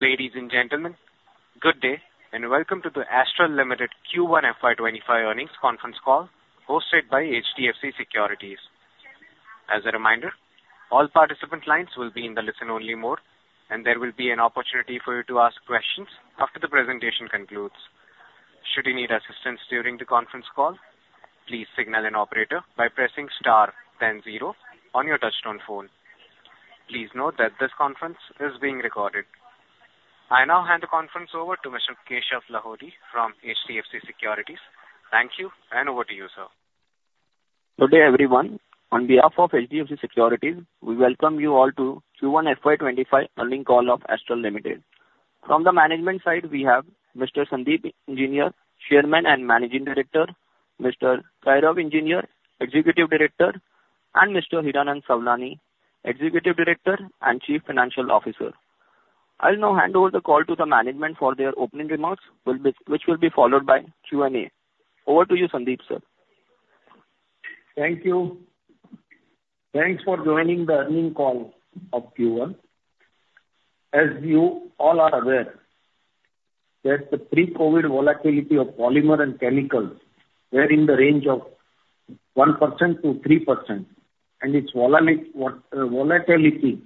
Ladies and gentlemen, good day, and welcome to the Astral Limited Q1 FY25 earnings conference call, hosted by HDFC Securities. As a reminder, all participant lines will be in the listen only mode, and there will be an opportunity for you to ask questions after the presentation concludes. Should you need assistance during the conference call, please signal an operator by pressing star then zero on your touchtone phone. Please note that this conference is being recorded. I now hand the conference over to Mr. Keshav Lahoti from HDFC Securities. Thank you, and over to you, sir. Good day, everyone. On behalf of HDFC Securities, we welcome you all to Q1 FY25 earnings call of Astral Limited. From the management side, we have Mr. Sandeep Engineer, Chairman and Managing Director, Mr. Gaurav Engineer, Executive Director, and Mr. Hiranand Savlani, Executive Director and Chief Financial Officer. I'll now hand over the call to the management for their opening remarks, which will be followed by Q&A. Over to you, Sandeep, sir. Thank you. Thanks for joining the earnings call of Q1. As you all are aware, that the pre-COVID volatility of polymer and chemicals were in the range of 1%-3%, and its volatility is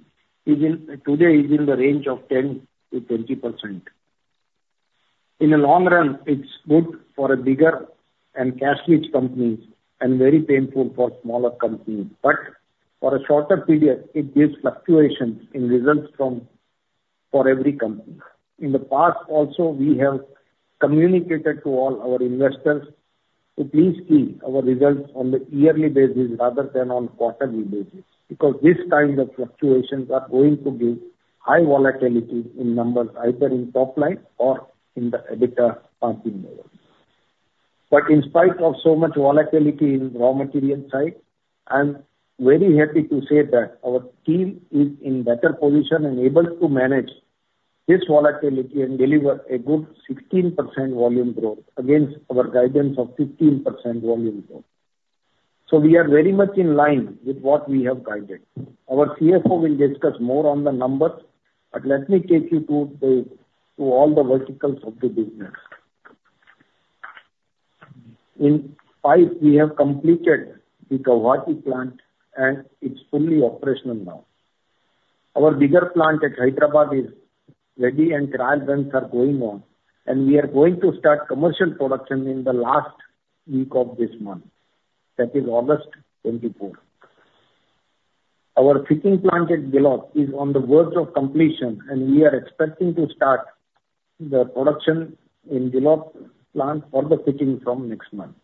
in, today is in the range of 10%-20%. In the long run, it's good for a bigger and cash-rich companies and very painful for smaller companies. But for a shorter period, it gives fluctuations in results from, for every company. In the past also, we have communicated to all our investors to please see our results on the yearly basis rather than on quarterly basis, because these kinds of fluctuations are going to give high volatility in numbers, either in top line or in the EBITDA margin levels. But in spite of so much volatility in raw material side, I'm very happy to say that our team is in better position and able to manage this volatility and deliver a good 16% volume growth against our guidance of 15% volume growth. So we are very much in line with what we have guided. Our CFO will discuss more on the numbers, but let me take you to the, to all the verticals of the business. In Pipe, we have completed the Guwahati plant, and it's fully operational now. Our bigger plant at Hyderabad is ready, and trial runs are going on, and we are going to start commercial production in the last week of this month. That is August 2024. Our fitting plant at Ballabhgarh is on the verge of completion, and we are expecting to start the production in Ballabhgarh plant for the fitting from next month,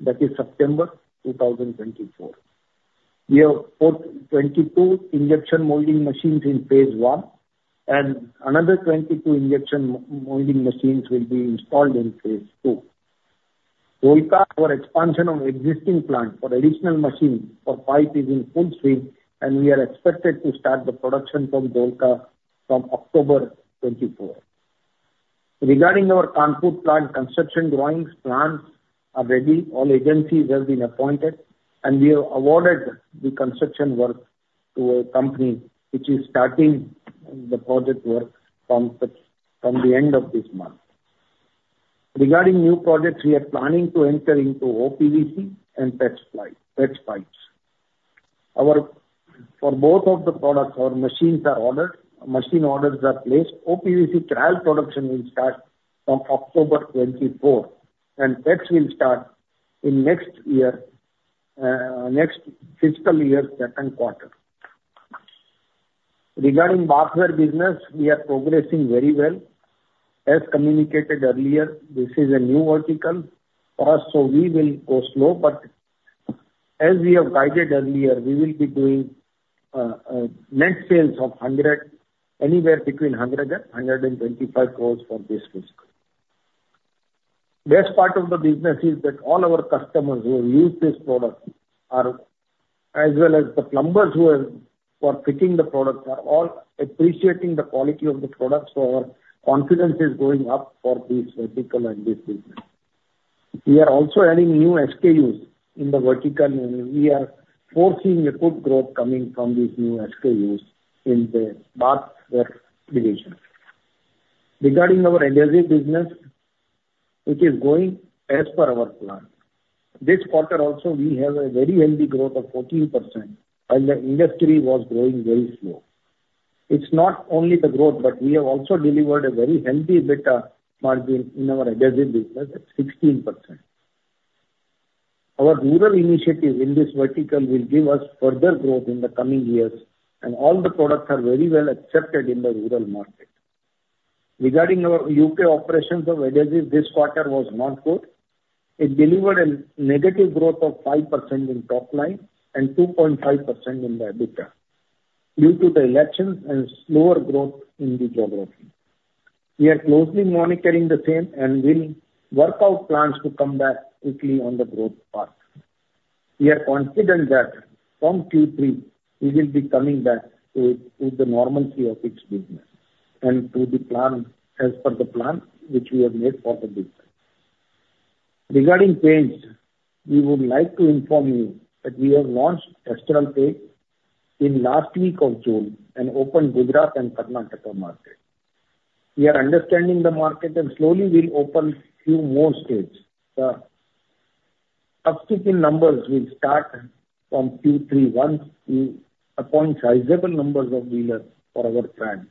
that is September 2024. We have put 22 injection molding machines in phase 1, and another 22 injection molding machines will be installed in phase 2. Dholka, our expansion on existing plant for additional machines for pipes is in full swing, and we are expected to start the production from Dholka from October 2024. Regarding our Kanpur plant, construction drawings, plans are ready. All agencies have been appointed, and we have awarded the construction work to a company which is starting the project work from the end of this month. Regarding new projects, we are planning to enter into O-PVC and PEX line, PEX pipes. Our, for both of the products, our machines are ordered, machine orders are placed. O-PVC trial production will start from October 2024, and PEX will start in next year, next fiscal year, Q2. Regarding bathware business, we are progressing very well. As communicated earlier, this is a new vertical for us, so we will go slow, but as we have guided earlier, we will be doing net sales of 100, anywhere between 100 and 125 crores for this fiscal. Best part of the business is that all our customers who use this product are, as well as the plumbers who are for fitting the products, are all appreciating the quality of the products, so our confidence is going up for this vertical and this business. We are also adding new SKUs in the vertical, and we are foreseeing a good growth coming from these new SKUs in the bathware division. Regarding our adhesive business, it is going as per our plan. This quarter also, we have a very healthy growth of 14%, and the industry was growing very slow. It's not only the growth, but we have also delivered a very healthy EBITDA margin in our adhesive business at 16%. Our rural initiatives in this vertical will give us further growth in the coming years, and all the products are very well accepted in the rural market. Regarding our U.K. operations of adhesives, this quarter was not good. It delivered a negative growth of 5% in top line and 2.5% in the EBITDA due to the elections and slower growth in the geography. We are closely monitoring the same and will work out plans to come back quickly on the growth path. We are confident that from Q3, we will be coming back to the normalcy of its business and to the plan, as per the plan, which we have made for the business. Regarding paints, we would like to inform you that we have launched Astral Paints in last week of June, and opened Gujarat and Karnataka market. We are understanding the market, and slowly we'll open few more states. The numbers will start from 2, 3, once we appoint sizable numbers of dealers for our brand.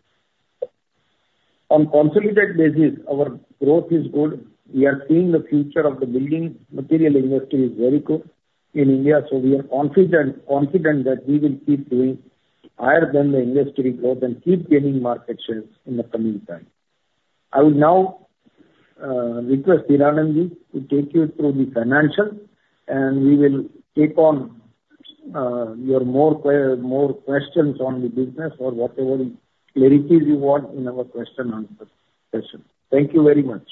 On consolidated basis, our growth is good. We are seeing the future of the building material industry is very good in India, so we are confident, confident that we will keep doing higher than the industry growth and keep gaining market shares in the coming time. I will now request Hiranand to take you through the financials, and we will take on your more questions on the business or whatever clarities you want in our question answer session. Thank you very much.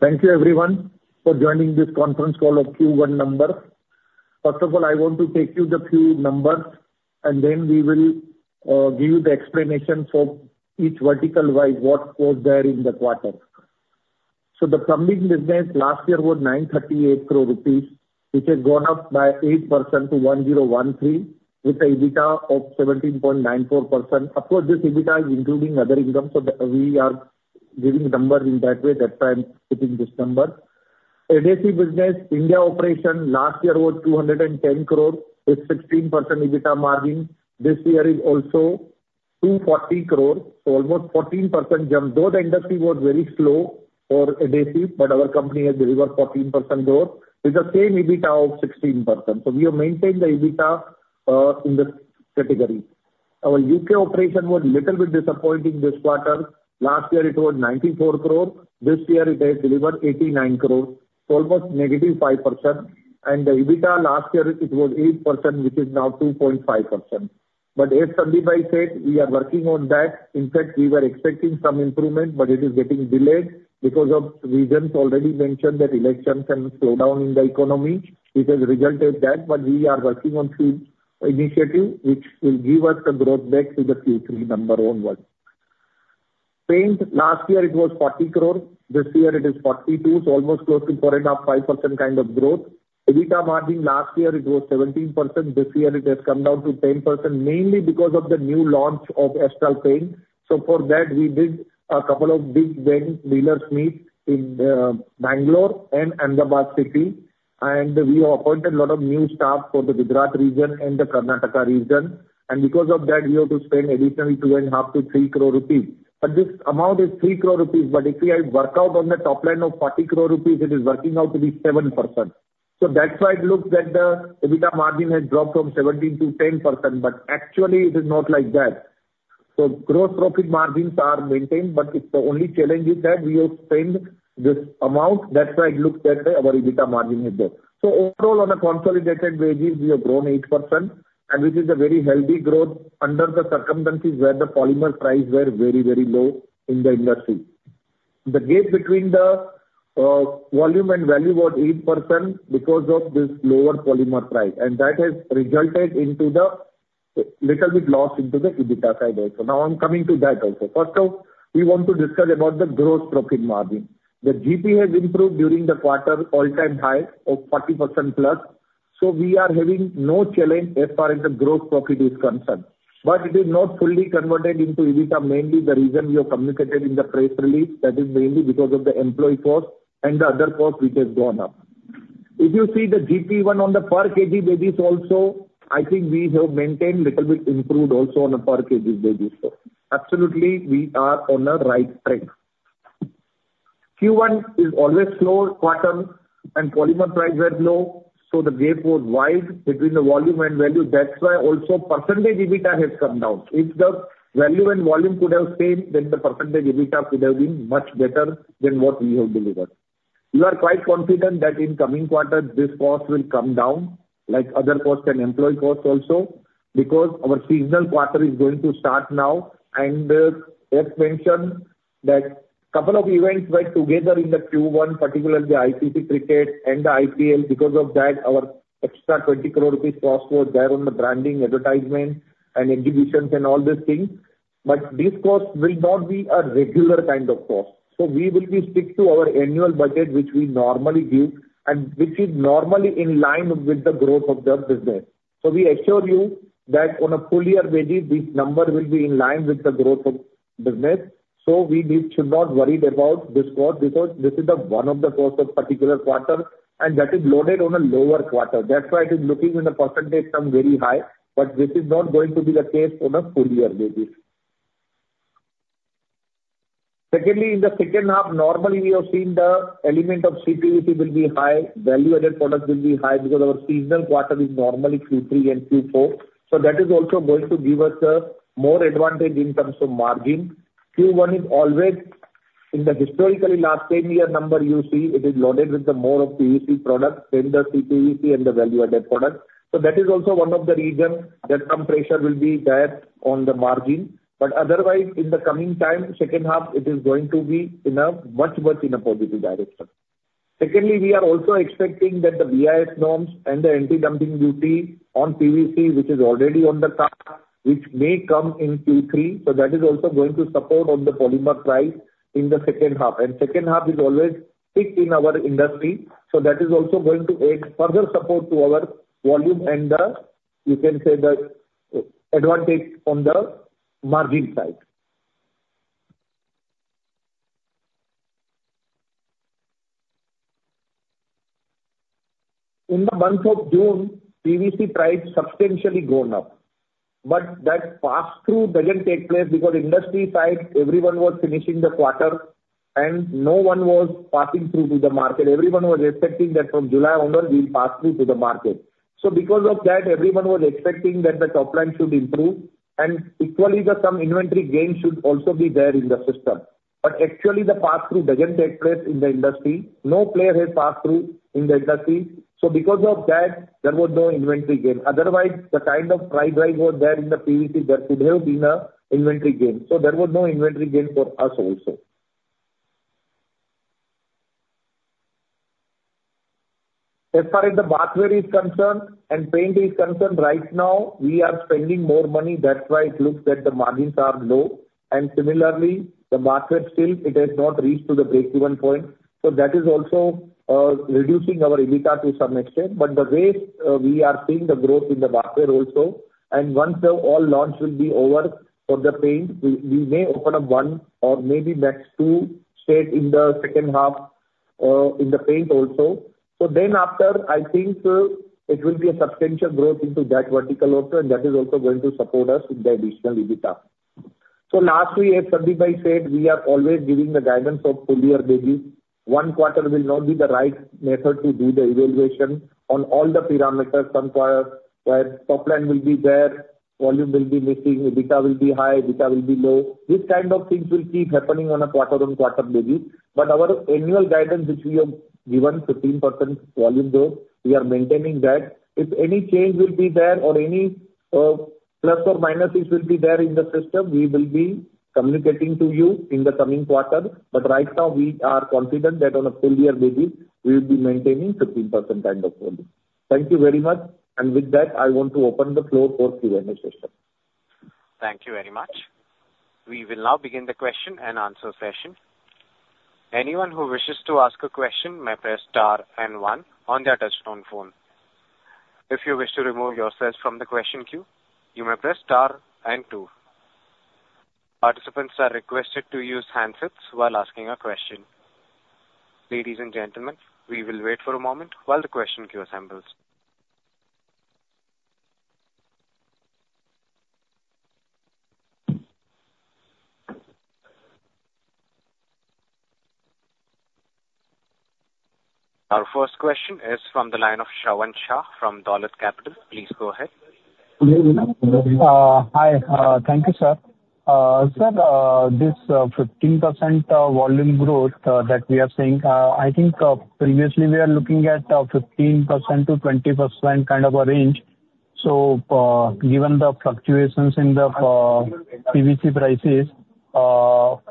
Thank you everyone for joining this conference call of Q1 number. First of all, I want to take you the few numbers, and then we will give you the explanations of each vertical, like what scored there in the quarter. So the plumbing business last year was 938 crore rupees, which has gone up by 8% to 1,013 crore, with an EBITDA of 17.94%. Of course, this EBITDA is including other income, so we are giving numbers in that way. That's why I'm giving this number. Adhesive business, India operation last year was 210 crore, with 16% EBITDA margin. This year is also 240 crore, so almost 14% jump. Though the industry was very slow for adhesive, but our company has delivered 14% growth with the same EBITDA of 16%. We have maintained the EBITDA in this category. Our UK operation was a little bit disappointing this quarter. Last year it was 94 crore; this year it has delivered 89 crore, so almost -5%. And the EBITDA last year, it was 8%, which is now 2.5%. But as Sandeep said, we are working on that. In fact, we were expecting some improvement, but it is getting delayed because of reasons already mentioned, that election can slow down in the economy, which has resulted that. But we are working on few initiatives, which will give us the growth back to the Q3 number onward. Paint, last year it was 40 crore, this year it is 42 crore, so almost close to 4.5%-5% kind of growth. EBITDA margin last year, it was 17%, this year it has come down to 10%, mainly because of the new launch of Astral Paint. So for that, we did a couple of big bang dealer meet in Bangalore and Ahmedabad city, and we appointed a lot of new staff for the Gujarat region and the Karnataka region. And because of that, we have to spend additional 2.5 crore-3 crore rupees. But this amount is 3 crore rupees, but if I work out on the top line of 40 crore rupees, it is working out to be 7%. So that's why it looks that the EBITDA margin has dropped from 17% to 10%, but actually it is not like that. So, gross profit margins are maintained, but it's the only challenge is that we have spent this amount, that's why it looks that way, our EBITDA margin is there. So, overall, on a consolidated basis, we have grown 8%, and this is a very healthy growth under the circumstances where the polymer prices were very, very low in the industry. The gap between the volume and value was 8% because of this lower polymer price, and that has resulted into the little bit loss into the EBITDA side also. Now, I'm coming to that also. First off, we want to discuss about the gross profit margin. The GP has improved during the quarter, all-time high of 40% plus. So, we are having no challenge as far as the gross profit is concerned. But it is not fully converted into EBITDA, mainly the reason we have communicated in the press release, that is mainly because of the employee cost and the other cost, which has gone up. If you see the GP even on the per kg basis also, I think we have maintained, little bit improved also on a per kg basis. So absolutely, we are on the right track. Q1 is always slow quarter and polymer prices were low, so the gap was wide between the volume and value. That's why also percentage EBITDA has come down. If the value and volume could have stayed, then the percentage EBITDA could have been much better than what we have delivered. We are quite confident that in coming quarter, this cost will come down, like other costs and employee costs also, because our seasonal quarter is going to start now. As mentioned, that couple of events were together in the Q1, particularly the ICC Cricket and the IPL. Because of that, our extra 20 crore rupees cost was there on the branding, advertisement and exhibitions and all these things. But this cost will not be a regular kind of cost, so we will be strict to our annual budget, which we normally give and which is normally in line with the growth of the business. So we assure you that on a full year basis, this number will be in line with the growth of business. So we need should not worried about this cost because this is the one of the costs of particular quarter, and that is loaded on a lower quarter. That's why it is looking in the percentage some very high, but this is not going to be the case on a full year basis. Secondly, in the second half, normally we have seen the element of CPVC will be high, value-added products will be high, because our seasonal quarter is normally Q3 and Q4. So that is also going to give us a more advantage in terms of margin. Q1 is always, in the historically last 10-year number you see, it is loaded with the more of PVC products than the CPVC and the value-added products. So that is also one of the reasons that some pressure will be there on the margin. But otherwise, in the coming time, second half, it is going to be in a much, much in a positive direction. Secondly, we are also expecting that the BIS norms and the anti-dumping duty on PVC, which is already on the cards, which may come in Q3, so that is also going to support on the polymer price in the second half. And second half is always peak in our industry, so that is also going to add further support to our volume and the, you can say, the, advantage on the margin side. In the month of June, PVC price substantially gone up, but that pass-through doesn't take place because industry side, everyone was finishing the quarter, and no one was passing through to the market. Everyone was expecting that from July onward, we will pass through to the market. So because of that, everyone was expecting that the top line should improve, and equally the same inventory gain should also be there in the system. But actually, the pass-through doesn't take place in the industry. No player has passed through in the industry, so because of that, there was no inventory gain. Otherwise, the kind of price rise was there in the PVC, there could have been a inventory gain. So there was no inventory gain for us also. As far as the bathroom is concerned and paint is concerned, right now, we are spending more money. That's why it looks that the margins are low, and similarly, the market still it has not reached to the break-even point. So that is also reducing our EBITDA to some extent. But the way we are seeing the growth in the bathroom also, and once the all launch will be over for the paint, we may open up one or maybe next two state in the second half in the paint also. So then after, I think, it will be a substantial growth into that vertical also, and that is also going to support us with the additional EBITDA. So lastly, as Sandeep said, we are always giving the guidance of full year basis. One quarter will not be the right method to do the evaluation on all the parameters. Some quarter, where top line will be there, volume will be missing, EBITDA will be high, EBITDA will be low. These kind of things will keep happening on a quarter-on-quarter basis. But our annual guidance, which we have given 15% volume growth, we are maintaining that. If any change will be there or any, plus or minuses will be there in the system, we will be communicating to you in the coming quarter. But right now, we are confident that on a full year basis, we will be maintaining 15% kind of volume. Thank you very much. And with that, I want to open the floor for Q&A session. Thank you very much. We will now begin the question and answer session. Anyone who wishes to ask a question may press star and one on their touchtone phone. If you wish to remove yourself from the question queue, you may press star and two. Participants are requested to use handsets while asking a question. Ladies and gentlemen, we will wait for a moment while the question queue assembles. Our first question is from the line of Shravan Shah from Dolat Capital. Please go ahead. Hi. Thank you, sir. Sir, this 15% volume growth that we are seeing, I think, previously we are looking at 15%-20% kind of a range. So, given the fluctuations in the PVC prices, so,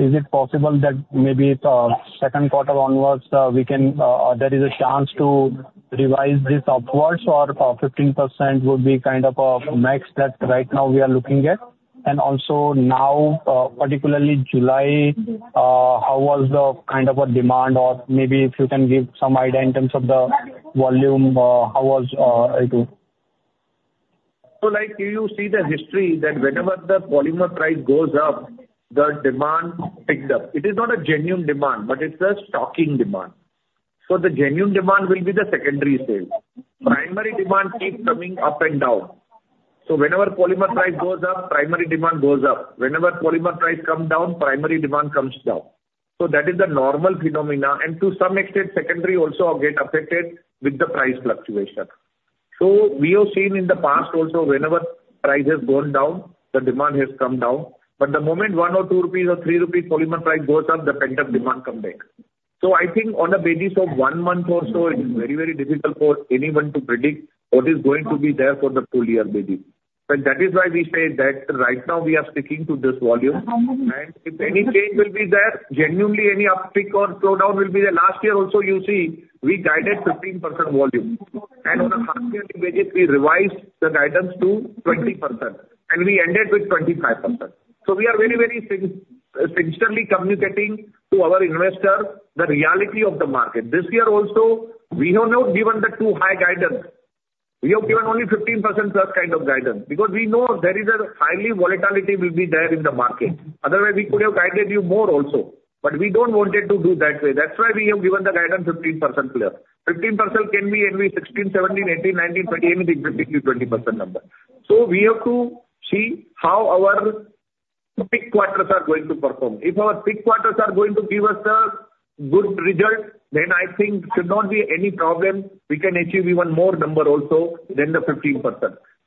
is it possible that maybe the Q2 onwards, we can, there is a chance to revise this upwards or, 15% would be kind of a max that right now we are looking at? And also now, particularly July, how was the kind of a demand? Or maybe if you can give some idea in terms of the volume, how was it? So like you see the history that whenever the polymer price goes up, the demand picks up. It is not a genuine demand, but it's a stocking demand. So the genuine demand will be the secondary sales. Primary demand keeps coming up and down. So whenever polymer price goes up, primary demand goes up. Whenever polymer price come down, primary demand comes down. So that is the normal phenomena, and to some extent, secondary also get affected with the price fluctuation. So we have seen in the past also, whenever price has gone down, the demand has come down. But the moment 1 or 2 rupees or 3 rupees polymer price goes up, the pent-up demand come back. So I think on a basis of 1 month or so, it is very, very difficult for anyone to predict what is going to be there for the full year basis. That is why we say that right now we are sticking to this volume. If any change will be there, genuinely any uptick or slowdown will be there. Last year also, you see, we guided 15% volume, and on a half year basis, we revised the guidance to 20%, and we ended with 25%. We are very, very sincerely communicating to our investors the reality of the market. This year also, we have not given the too high guidance. We have given only 15% plus kind of guidance because we know there is a highly volatility will be there in the market. Otherwise, we could have guided you more also, but we don't wanted to do that way. That's why we have given the guidance 15% plus. 15% can be anywhere 16, 17, 18, 19, 20, anything between 20% number. So we have to see how our peak quarters are going to perform. If our peak quarters are going to give us the good result, then I think should not be any problem. We can achieve even more number also than the 15%.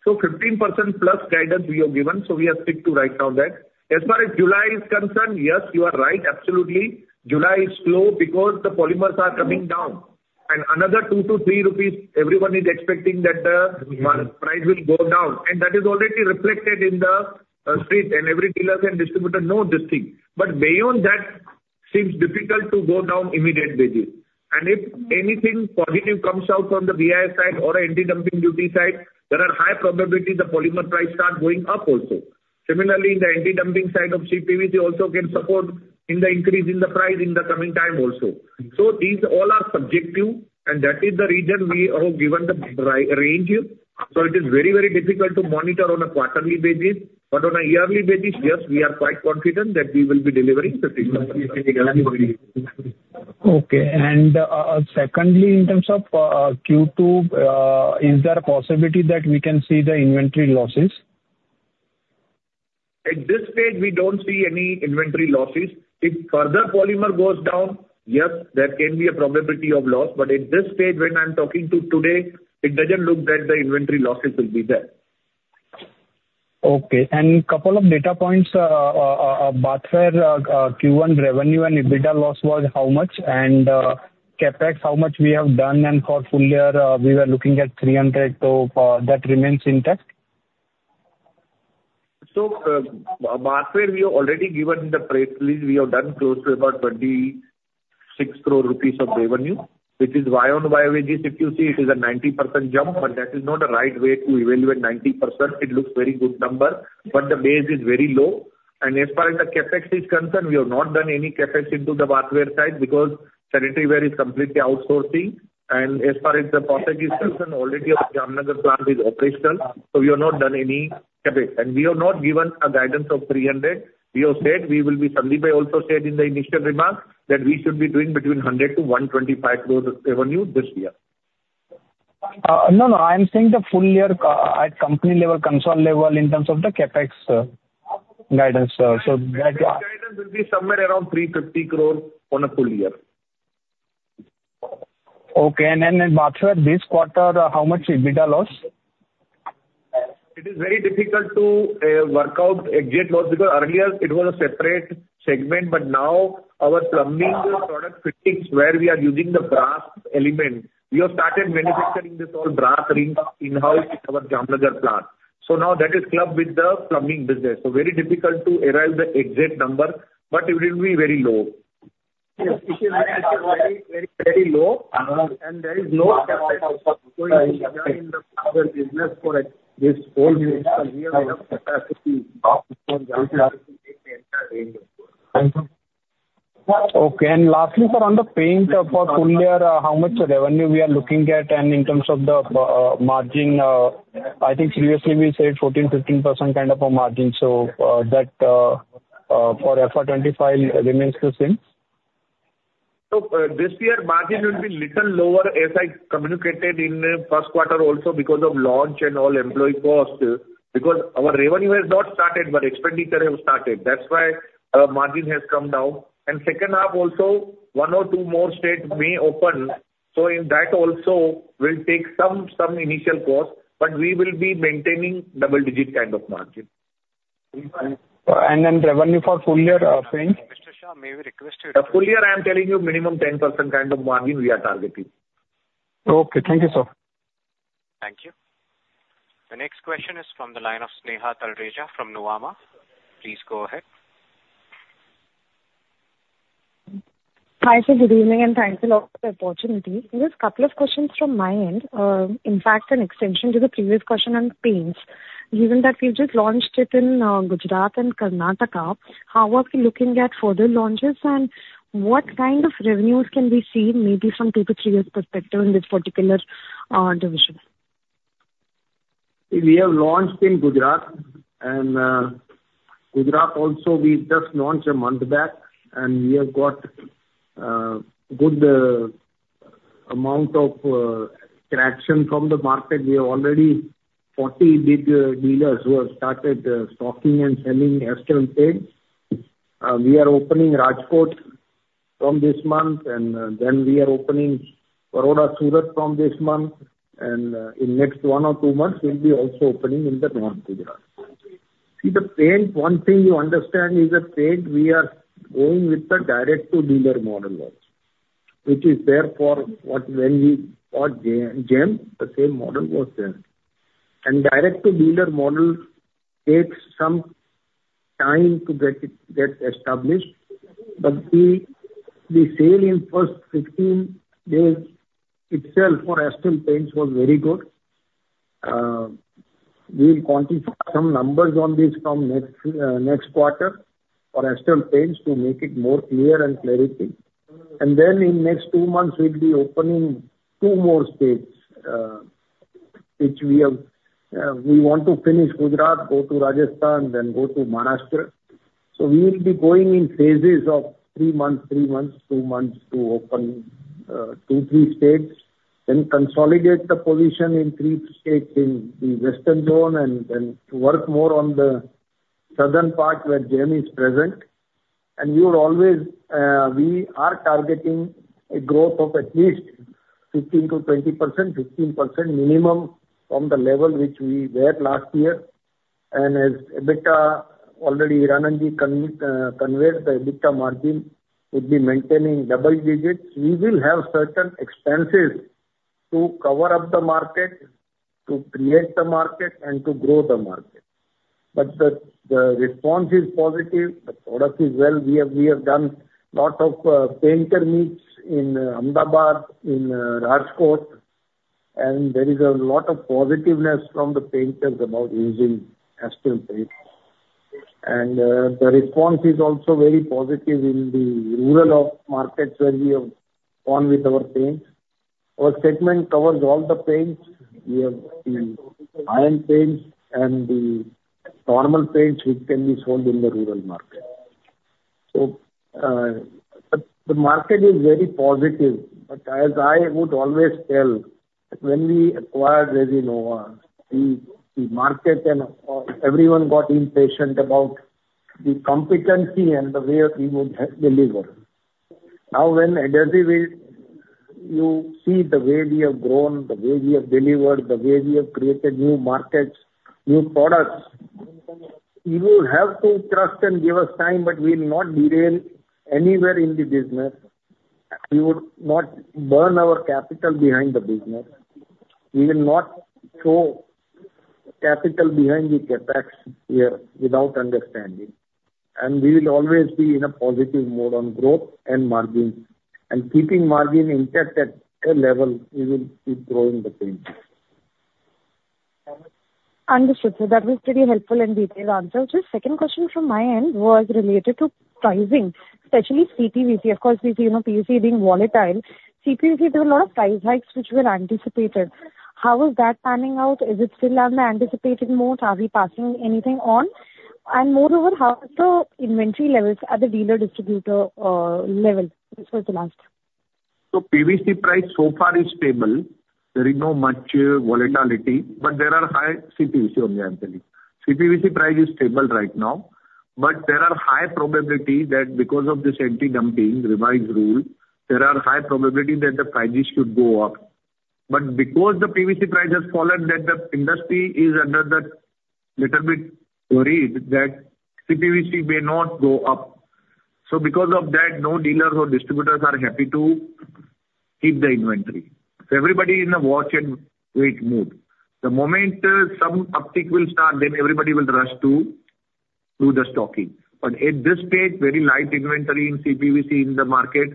So 15%+ guidance we have given, so we are stick to right now that. As far as July is concerned, yes, you are right, absolutely. July is slow because the polymers are coming down. And another 2- 3 rupees, everyone is expecting that the market price will go down, and that is already reflected in the street, and every dealer and distributor know this thing. But beyond that seems difficult to go down immediate basis. And if anything positive comes out from the VCM side or anti-dumping duty side, there is high probability the polymer price starts going up also. Similarly, in the anti-dumping side of CPVC also gets support in the increase in the price in the coming time also. So these all are subjective, and that is the reason we have given the range. So it is very, very difficult to monitor on a quarterly basis, but on a yearly basis, yes, we are quite confident that we will be delivering the same. Okay. And, secondly, in terms of Q2, is there a possibility that we can see the inventory losses? At this stage, we don't see any inventory losses. If further polymer goes down, yes, there can be a probability of loss, but at this stage, when I'm talking today, it doesn't look that the inventory losses will be there. Okay. Couple of data points, Bathware Q1 revenue and EBITDA loss was how much? CapEx, how much we have done, and for full year, we were looking at 300, so that remains intact? So, bathware, we have already given the price list. We have done close to about 26 crore rupees of revenue, which is YoY basis, if you see, it is a 90% jump, but that is not the right way to evaluate 90%. It looks very good number, but the base is very low. And as far as the CapEx is concerned, we have not done any CapEx into the bathware side because sanitary ware is completely outsourcing. And as far as the pottery is concerned, already our Jamnagar plant is operational, so we have not done any CapEx. And we have not given a guidance of 300. We have said we will be, Sandeep also said in the initial remarks, that we should be doing between 100-125 crores revenue this year. No, no, I'm saying the full year, at company level, consolidated level, in terms of the CapEx guidance, so that- CapEx guidance will be somewhere around 350 crore on a full year. Okay. And then, in bathware this quarter, how much EBITDA loss? It is very difficult to work out exact loss, because earlier it was a separate segment, but now our plumbing product fittings, where we are using the brass element, we have started manufacturing this all brass rings in-house in our Jamnagar plant. So now that is clubbed with the plumbing business. So very difficult to arrive the exact number, but it will be very low. Yes, it will be very, very, very low, and there is no CapEx for this whole year. Okay. And lastly, sir, on the paint for full year, how much revenue we are looking at? And in terms of the margin, I think previously we said 14%-15% kind of a margin. So, that for FY25 remains the same? This year, margin will be little lower, as I communicated in the Q1 also, because of launch and all employee costs. Because our revenue has not started, but expenditure have started. That's why, margin has come down. Second half also, one or two more states may open. In that also, we'll take some, some initial cost, but we will be maintaining double-digit kind of margin. And then revenue for full year, paint? Mr. Shah, may we request you- Full year, I am telling you minimum 10% kind of margin we are targeting. Okay, thank you, sir. Thank you. The next question is from the line of Sneha Talreja from Nuvama. Please go ahead. Hi, sir, good evening, and thanks a lot for the opportunity. Just couple of questions from my end. In fact, an extension to the previous question on paints. Given that we've just launched it in, Gujarat and Karnataka, how are we looking at further launches, and what kind of revenues can we see maybe from two to three years perspective in this particular, division? We have launched in Gujarat. Gujarat also, we just launched a month back, and we have got good amount of traction from the market. We have already 40 big dealers who have started stocking and selling Astral Paints. We are opening Rajkot from this month, and then we are opening Baroda Surat from this month, and in next one or two months, we'll be also opening in the north Gujarat. See, the paint, one thing you understand, is that paint, we are going with the direct to dealer model also. Which is therefore what when we bought Gem, the same model was there. And direct to dealer model takes some time to get established, but the sale in first 16 days itself for Astral Paints was very good. We'll quantify some numbers on this from next, next quarter for Astral Paints to make it more clear and clarity. And then in next two months, we'll be opening two more states, which we have, we want to finish Gujarat, go to Rajasthan, then go to Maharashtra. So we will be going in phases of three months, three months, two months to open, two, three states, then consolidate the position in three states in the western zone and then to work more on the southern part where Gem is present. And we would always, we are targeting a growth of at least 15%-20%, 15% minimum from the level which we were last year. And as EBITDA, already Hiranandji conveyed, the EBITDA margin will be maintaining double digits. We will have certain expenses to cover up the market, to create the market, and to grow the market... But the response is positive, the product is well. We have done a lot of painter meets in Ahmedabad, in Rajkot, and there is a lot of positiveness from the painters about using Astral Paints. And the response is also very positive in the rural markets where we have gone with our paints. Our segment covers all the paints. We have the iron paints and the normal paints, which can be sold in the rural market. So, but the market is very positive. But as I would always tell, when we acquired Resinova, the market and of course, everyone got impatient about the competency and the way we would deliver. Now, when [inaudible] will, you see the way we have grown, the way we have delivered, the way we have created new markets, new products, you will have to trust and give us time, but we will not derail anywhere in the business. We would not burn our capital behind the business. We will not throw capital behind the CapEx here without understanding, and we will always be in a positive mode on growth and margin. And keeping margin intact at a level, we will keep growing the paint. Understood, sir. That was pretty helpful and detailed answer. Just second question from my end was related to pricing, especially CPVC. Of course, we see, you know, PVC being volatile. CPVC, there were a lot of price hikes which were anticipated. How is that panning out? Is it still on the anticipated mode? Are we passing anything on? And moreover, how is the inventory levels at the dealer distributor level? This was the last. So PVC price so far is stable. There is no much volatility, but there are high CPVC on the anvil. CPVC price is stable right now, but there are high probability that because of this anti-dumping revised rule, there are high probability that the prices should go up. But because the PVC price has fallen, then the industry is under the little bit worried that CPVC may not go up. So because of that, no dealers or distributors are happy to keep the inventory. So everybody in a watch and wait mode. The moment, some uptick will start, then everybody will rush to, do the stocking. But at this stage, very light inventory in CPVC in the market,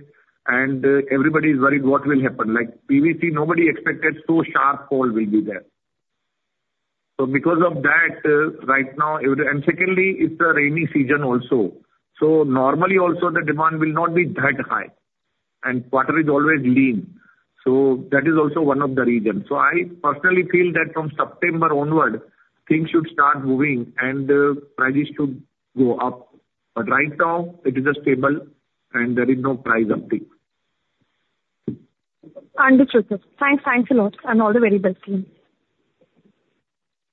and, everybody is worried what will happen. Like PVC, nobody expected so sharp fall will be there. So because of that, right now... And secondly, it's the rainy season also. So normally also the demand will not be that high, and quarter is always lean, so that is also one of the reasons. So I personally feel that from September onward, things should start moving and, prices should go up. But right now it is stable and there is no price uptick. Understood, sir. Thanks. Thanks a lot, and all the very best to you.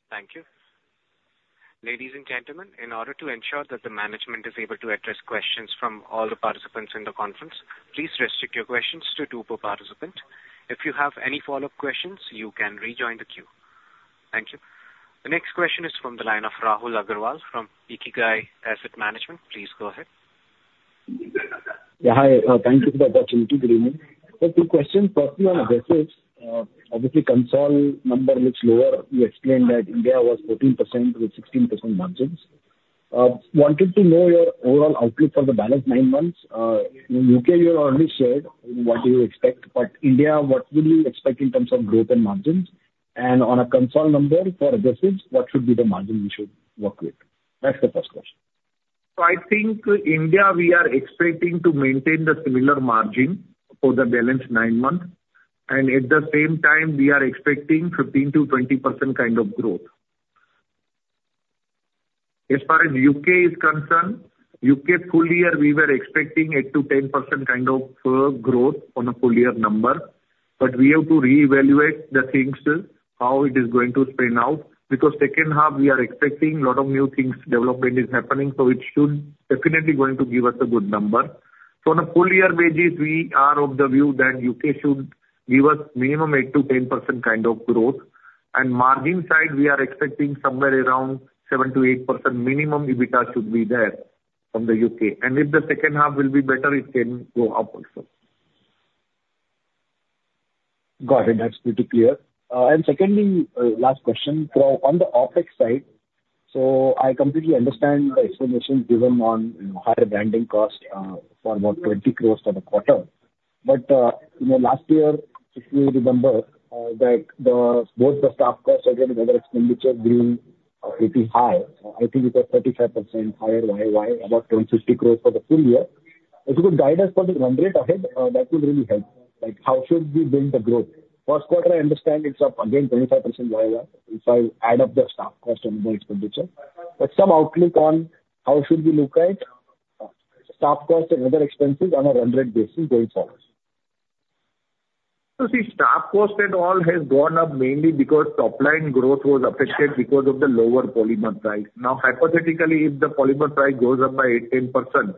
Thank you. Ladies and gentlemen, in order to ensure that the management is able to address questions from all the participants in the conference, please restrict your questions to two per participant. If you have any follow-up questions, you can rejoin the queue. Thank you. The next question is from the line of Rahul Aggarwal from Ikigai Asset Management. Please go ahead. Yeah, hi. Thank you for the opportunity. Good evening. So two questions, first one on Adhesives. Obviously, consolidated number looks lower. You explained that India was 14% with 16% margins. Wanted to know your overall outlook for the balance nine months. In U.K., you already said what you expect, but India, what will you expect in terms of growth and margins? And on a consolidated number for Adhesives, what should be the margin we should work with? That's the first question. So I think India, we are expecting to maintain the similar margin for the balance nine months, and at the same time, we are expecting 15%-20% kind of growth. As far as U.K. is concerned, U.K. full year, we were expecting 8%-10% kind of growth on a full year number. But we have to reevaluate the things, how it is going to pan out, because second half we are expecting a lot of new things, development is happening, so it should definitely going to give us a good number. So on a full year basis, we are of the view that U.K. should give us minimum 8%-10% kind of growth. And margin side, we are expecting somewhere around 7%-8% minimum, EBITDA should be there from the U.K. If the second half will be better, it can go up also. Got it. That's pretty clear. And secondly, last question. So on the OpEx side, so I completely understand your explanation given on higher branding cost for about 20 crore for the quarter. But you know, last year, if you remember, that both the staff cost and other expenditure being pretty high, I think it was 35% higher year-over-year, about 250 crore for the full year. If you could guide us on the run rate ahead, that would really help. Like, how should we build the growth? Q1, I understand it's up again, 25% year-over-year, if I add up the staff cost and other expenditure. But some outlook on how should we look at staff cost and other expenses on a run rate basis going forward? So see, staff cost and all has gone up mainly because top line growth was affected because of the lower polymer price. Now, hypothetically, if the polymer price goes up by 8%-10%,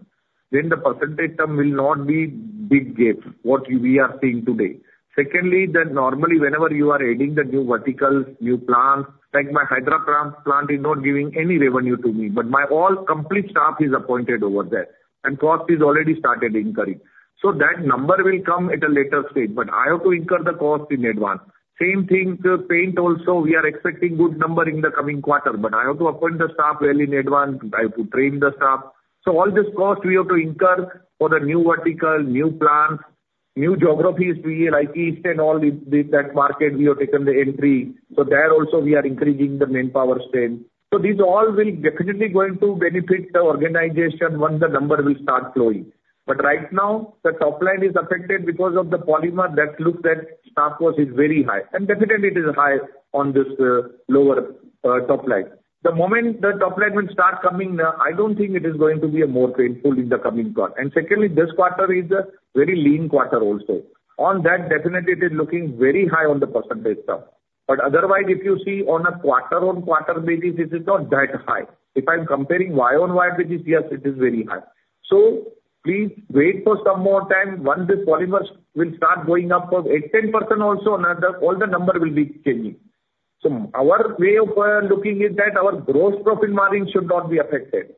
then the percentage term will not be big gap, what we are seeing today. Secondly, that normally whenever you are adding the new verticals, new plants, like my Hyderabad plant is not giving any revenue to me, but my all complete staff is appointed over there, and cost is already started incurring. So that number will come at a later stage, but I have to incur the cost in advance. Same thing to paint also, we are expecting good number in the coming quarter, but I have to appoint the staff well in advance. I have to train the staff. So all this cost we have to incur for the new vertical, new plants. new geographies, we like the East and all the that market we have taken the entry. So there also we are increasing the manpower strength. So these all will definitely going to benefit the organization once the number will start growing. But right now, the top line is affected because of the polymer that looks at staff cost is very high, and definitely it is high on this lower top line. The moment the top line will start coming, I don't think it is going to be a more painful in the coming quarter. And secondly, this quarter is a very lean quarter also. On that, definitely it is looking very high on the percentage term. But otherwise, if you see on a quarter-on-quarter basis, it is not that high. If I'm comparing year-on-year basis, yes, it is very high. So please wait for some more time. Once this polymers will start going up for 8%-10% also, another, all the number will be changing. So our way of looking is that our gross profit margin should not be affected.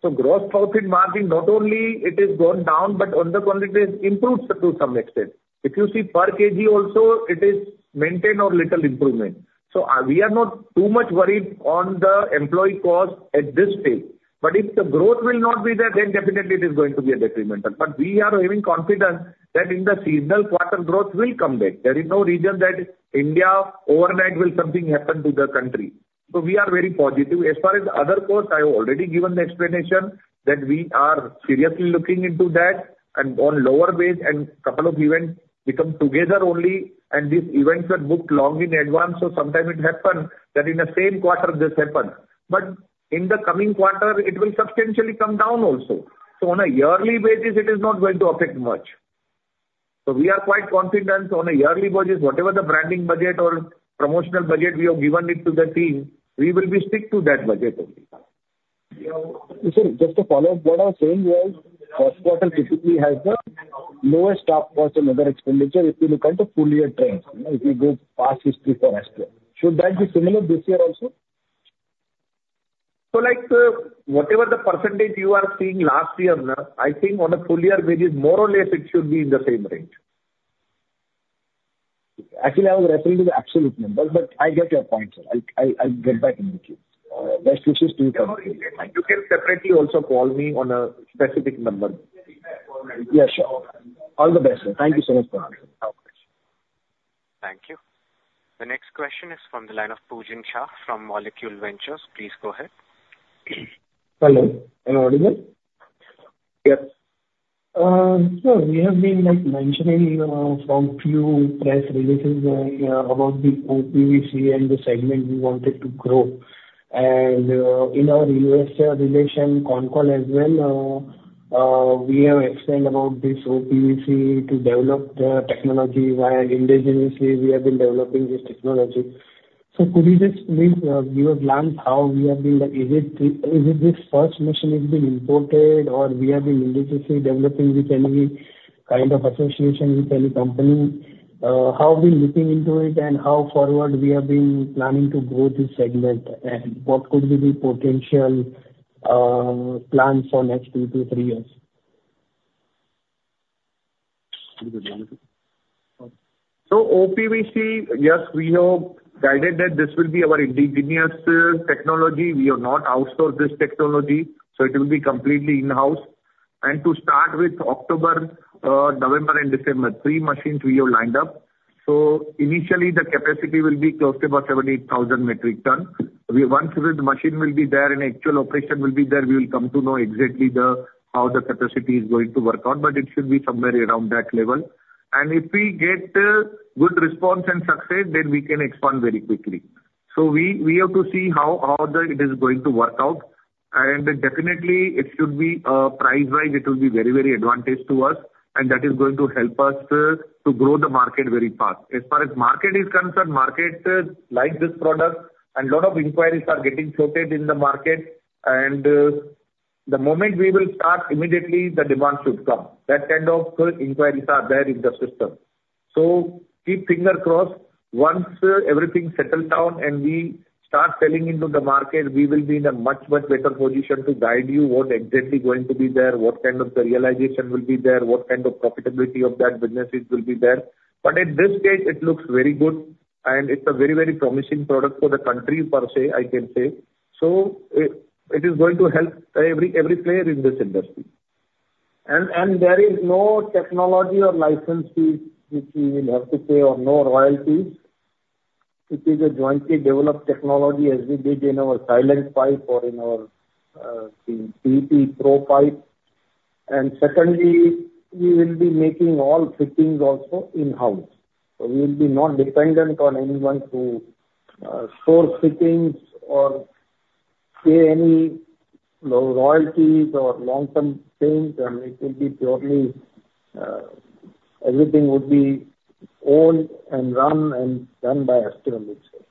So gross profit margin, not only it has gone down, but on the quality, it improves to some extent. If you see per kg also, it is maintained or little improvement. So, we are not too much worried on the employee cost at this stage. But if the growth will not be there, then definitely it is going to be a detrimental. But we are having confidence that in the seasonal quarter, growth will come back. There is no reason that India overnight will something happen to the country. So we are very positive. As far as other costs, I have already given the explanation that we are seriously looking into that and on lower base and couple of events become together only, and these events are booked long in advance, so sometime it happen that in the same quarter this happen. But in the coming quarter, it will substantially come down also. So on a yearly basis, it is not going to affect much. So we are quite confident on a yearly budget, whatever the branding budget or promotional budget we have given it to the team, we will be strict to that budget only. Sir, just a follow-up. What I was saying was, Q1 typically has the lowest staff cost and other expenditure, if you look at the full year trend, you know, if you go past history for Astral. Should that be similar this year also? So, like, whatever the percentage you are seeing last year, now, I think on a full year basis, more or less, it should be in the same range. Actually, I was referring to the absolute number, but I get your point, sir. I'll get back to you. Best wishes to you. You can separately also call me on a specific number. Yeah, sure. All the best, sir. Thank you so much for asking. Okay. Thank you. The next question is from the line of Pujan Shah from Molecule Ventures. Please go ahead. Hello, am I audible? Yes. Sir, we have been, like, mentioning from few press releases, yeah, about the O-PVC and the segment we wanted to grow. And, in our U.S. investor concall as well, we have explained about this O-PVC to develop the technology, where indigenously we have been developing this technology. So could you just please give a glance how we have been like, is it this first machine is being imported or we have been indigenously developing with any kind of association with any company? How we looking into it and how forward we have been planning to grow this segment, and what could be the potential plans for next two to three years? So O-PVC, yes, we have guided that this will be our indigenous technology. We have not outsourced this technology, so it will be completely in-house. And to start with October, November and December, 3 machines we have lined up. So initially, the capacity will be close to about 78,000 metric ton. Once the machine will be there and actual operation will be there, we will come to know exactly how the capacity is going to work out, but it should be somewhere around that level. And if we get a good response and success, then we can expand very quickly. So we have to see how it is going to work out. And definitely it should be price-wise, it will be very, very advantage to us, and that is going to help us to grow the market very fast. As far as market is concerned, market likes this product, and a lot of inquiries are getting floated in the market. And the moment we will start, immediately the demand should come. That kind of inquiries are there in the system. So keep finger crossed. Once everything settles down and we start selling into the market, we will be in a much, much better position to guide you what exactly is going to be there, what kind of the realization will be there, what kind of profitability of that businesses will be there. But at this stage, it looks very good, and it's a very, very promising product for the country per se, I can say. So it is going to help every player in this industry. There is no technology or license fees which we will have to pay or no royalties. It is a jointly developed technology, as we did in our silent pipe or in our, the PP pro pipe. And secondly, we will be making all fittings also in-house. So we will be not dependent on anyone to, source fittings or pay any royalties or long-term things. And it will be purely, everything would be owned and run and done by Astral itself.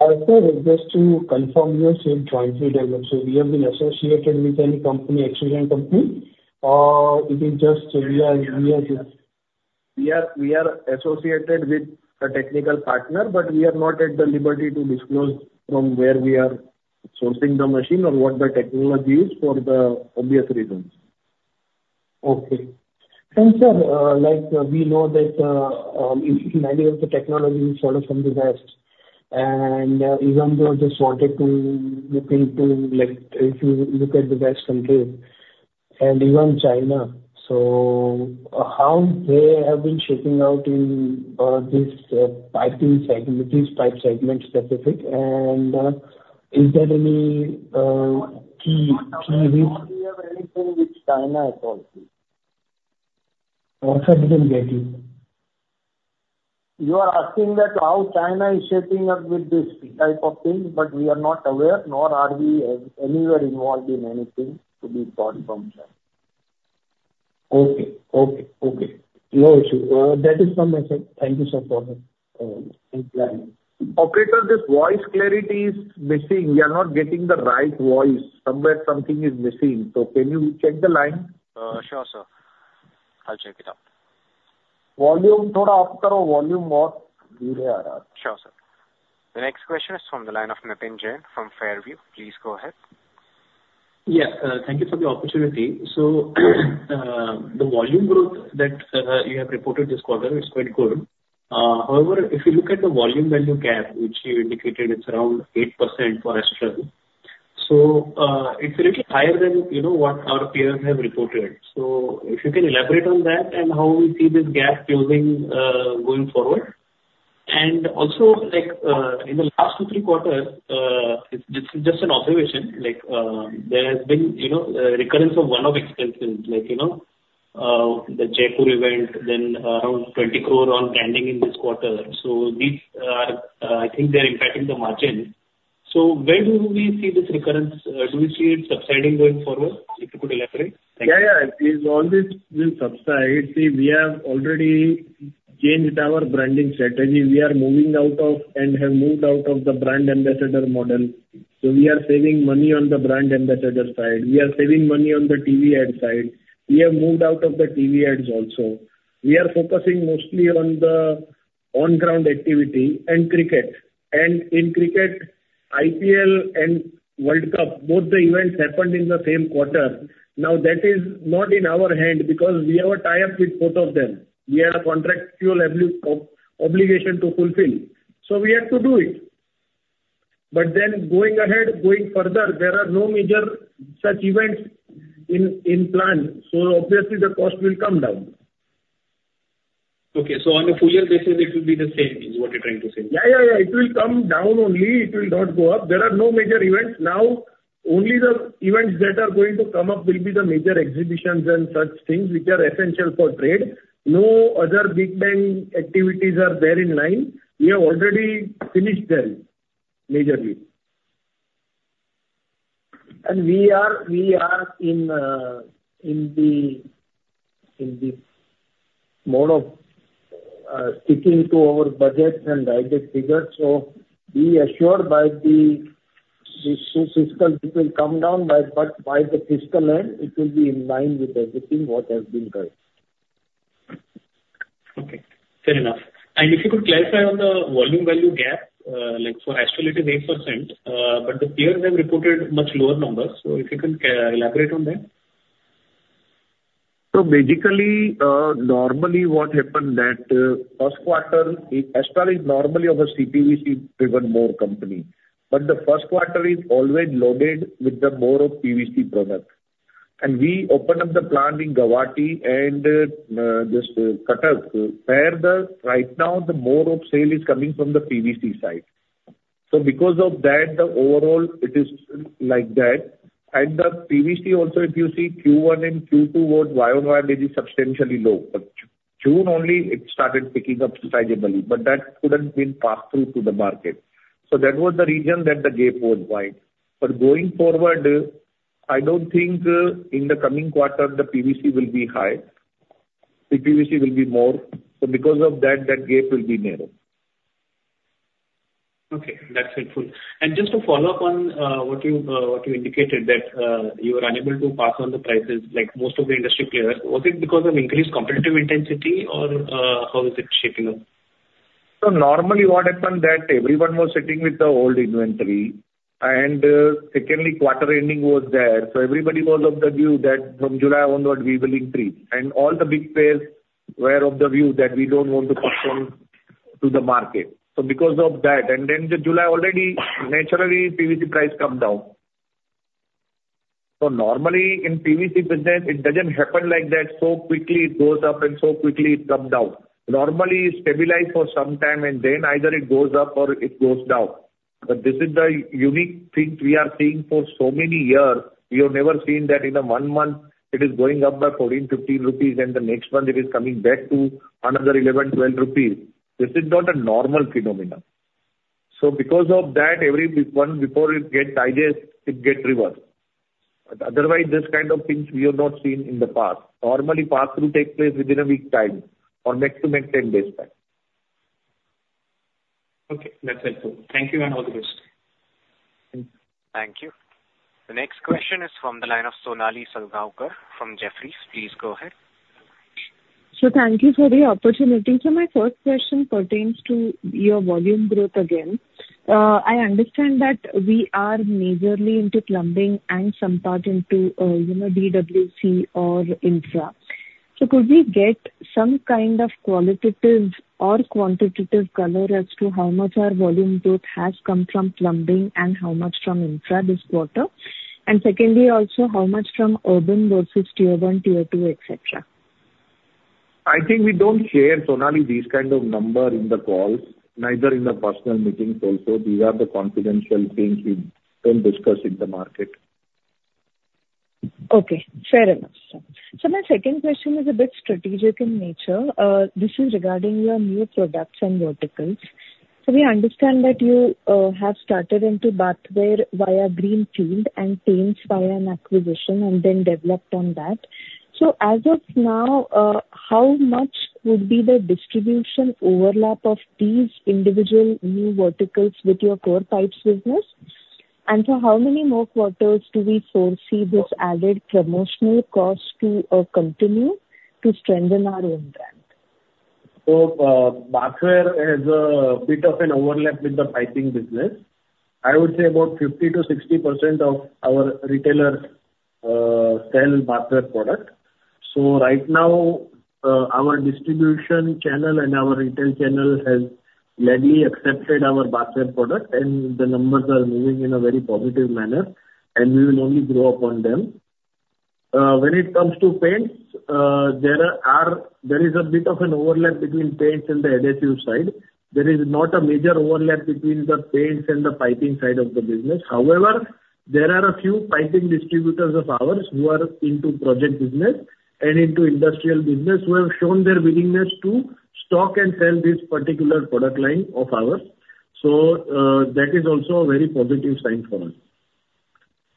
Sir, just to confirm, you are saying jointly developed. So we have been associated with any company, extrusion company, or it is just we are just- We are associated with a technical partner, but we are not at the liberty to disclose from where we are sourcing the machine or what the technology is, for the obvious reasons. Okay. Sir, like, we know that in many of the technology we follow from the best... and even though just wanted to look into, like, if you look at the Western countries and even China. So how they have been shaping up in this piping segment, this pipe segment specific, and is there any key with- We have anything with China at all? I'm sorry, I didn't get you. You are asking that how China is shaping up with this type of thing, but we are not aware, nor are we anywhere involved in anything to be bought from China. Okay, okay, okay. No issue. That is from myself. Thank you, sir, for explaining. Operator, this voice clarity is missing. We are not getting the right voice. Somewhere, something is missing, so can you check the line? Sure, sir. I'll check it out. Volume, inaudible up volume off. Sure, sir. The next question is from the line of Nitin Jain from Fairview. Please go ahead. Yes, thank you for the opportunity. So, the volume growth that you have reported this quarter is quite good. However, if you look at the volume value gap, which you indicated, it's around 8% for Astral. So, it's a little higher than, you know, what our peers have reported. So if you can elaborate on that and how we see this gap closing, going forward. And also, like, in the last two, three quarters, it's just an observation, like, there has been, you know, recurrence of one-off expenses, like, you know, the Jaipur event, then around 20 crore on branding in this quarter. So these are, I think they are impacting the margin. So where do we see this recurrence? Do we see it subsiding going forward? If you could elaborate. Thank you. Yeah, yeah, it is always will subside. See, we have already changed our branding strategy. We are moving out of, and have moved out of the brand ambassador model. So we are saving money on the brand ambassador side. We are saving money on the TV ad side. We have moved out of the TV ads also. We are focusing mostly on the on-ground activity and cricket. And in cricket, IPL and World Cup, both the events happened in the same quarter. Now, that is not in our hand because we have a tie-up with both of them. We have a contractual obligation to fulfill, so we have to do it. But then going ahead, going further, there are no major such events in plan, so obviously the cost will come down. Okay, so on a full year basis, it will be the same, is what you're trying to say? Yeah, yeah, yeah. It will come down only. It will not go up. There are no major events. Now, only the events that are going to come up will be the major exhibitions and such things which are essential for trade. No other big time activities are there in line. We have already finished them majorly. We are in the mode of sticking to our budget and guided figures. So be assured by the fiscal, it will come down by, but by the fiscal end, it will be in line with everything, what has been guided. Okay, fair enough. And if you could clarify on the volume value gap, like for Astral, it is 8%, but the peers have reported much lower numbers. So if you could elaborate on that. So basically, normally what happened that, Q1, Astral is normally of a CPVC-driven more company, but the Q1 is always loaded with the more of PVC product. And we opened up the plant in Guwahati and, this, Cuttack, where right now, the more of sale is coming from the PVC side. So because of that, the overall it is like that. And the PVC also, if you see Q1 and Q2, towards Y on Y, may be substantially low, but June only it started picking up sizably, but that couldn't been passed through to the market. So that was the reason that the gap was wide. But going forward, I don't think, in the coming quarter, the PVC will be high. The PVC will be more, so because of that, that gap will be narrow. Okay, that's helpful. And just to follow up on what you indicated, that you are unable to pass on the prices like most of the industry players. Was it because of increased competitive intensity or how is it shaping up? So normally what happened that everyone was sitting with the old inventory, and, secondly, quarter ending was there, so everybody was of the view that from July onward we will increase. And all the big players were of the view that we don't want to pass on to the market. So because of that, and then the July already, naturally, PVC price come down. So normally in PVC business, it doesn't happen like that, so quickly it goes up and so quickly it comes down. Normally, stabilize for some time and then either it goes up or it goes down. But this is the unique thing we are seeing for so many years. We have never seen that in a one month it is going up by 14, 15 rupees and the next month it is coming back to another 11, 12 rupees. This is not a normal phenomenon. Because of that, every big one, before it gets digested, it gets reversed. Otherwise, this kind of things we have not seen in the past. Normally, pass through takes place within a week time or max to max 10 days time. Okay, that's helpful. Thank you and all the best. Thank you. Thank you. The next question is from the line of Sonali Salgaonkar from Jefferies. Please go ahead. Thank you for the opportunity. My first question pertains to your volume growth again. I understand that we are majorly into plumbing and some part into, you know, DWC or infra. ... Could we get some kind of qualitative or quantitative color as to how much our volume growth has come from plumbing and how much from infra this quarter? And secondly, also, how much from urban versus tier one, tier two, et cetera? I think we don't share, Sonali, these kind of number in the calls, neither in the personal meetings also. These are the confidential things we don't discuss in the market. Okay, fair enough, sir. So my second question is a bit strategic in nature. This is regarding your new products and verticals. So we understand that you have started into bathware via greenfield and paints via an acquisition and then developed on that. So as of now, how much would be the distribution overlap of these individual new verticals with your core pipes business? And so how many more quarters do we foresee this added promotional cost to continue to strengthen our own brand? So, bathware has a bit of an overlap with the piping business. I would say about 50%-60% of our retailers sell bathware product. So right now, our distribution channel and our retail channel has gladly accepted our bathware product, and the numbers are moving in a very positive manner, and we will only grow upon them. When it comes to paints, there is a bit of an overlap between paints and the adhesive side. There is not a major overlap between the paints and the piping side of the business. However, there are a few piping distributors of ours who are into project business and into industrial business, who have shown their willingness to stock and sell this particular product line of ours. So, that is also a very positive sign for us.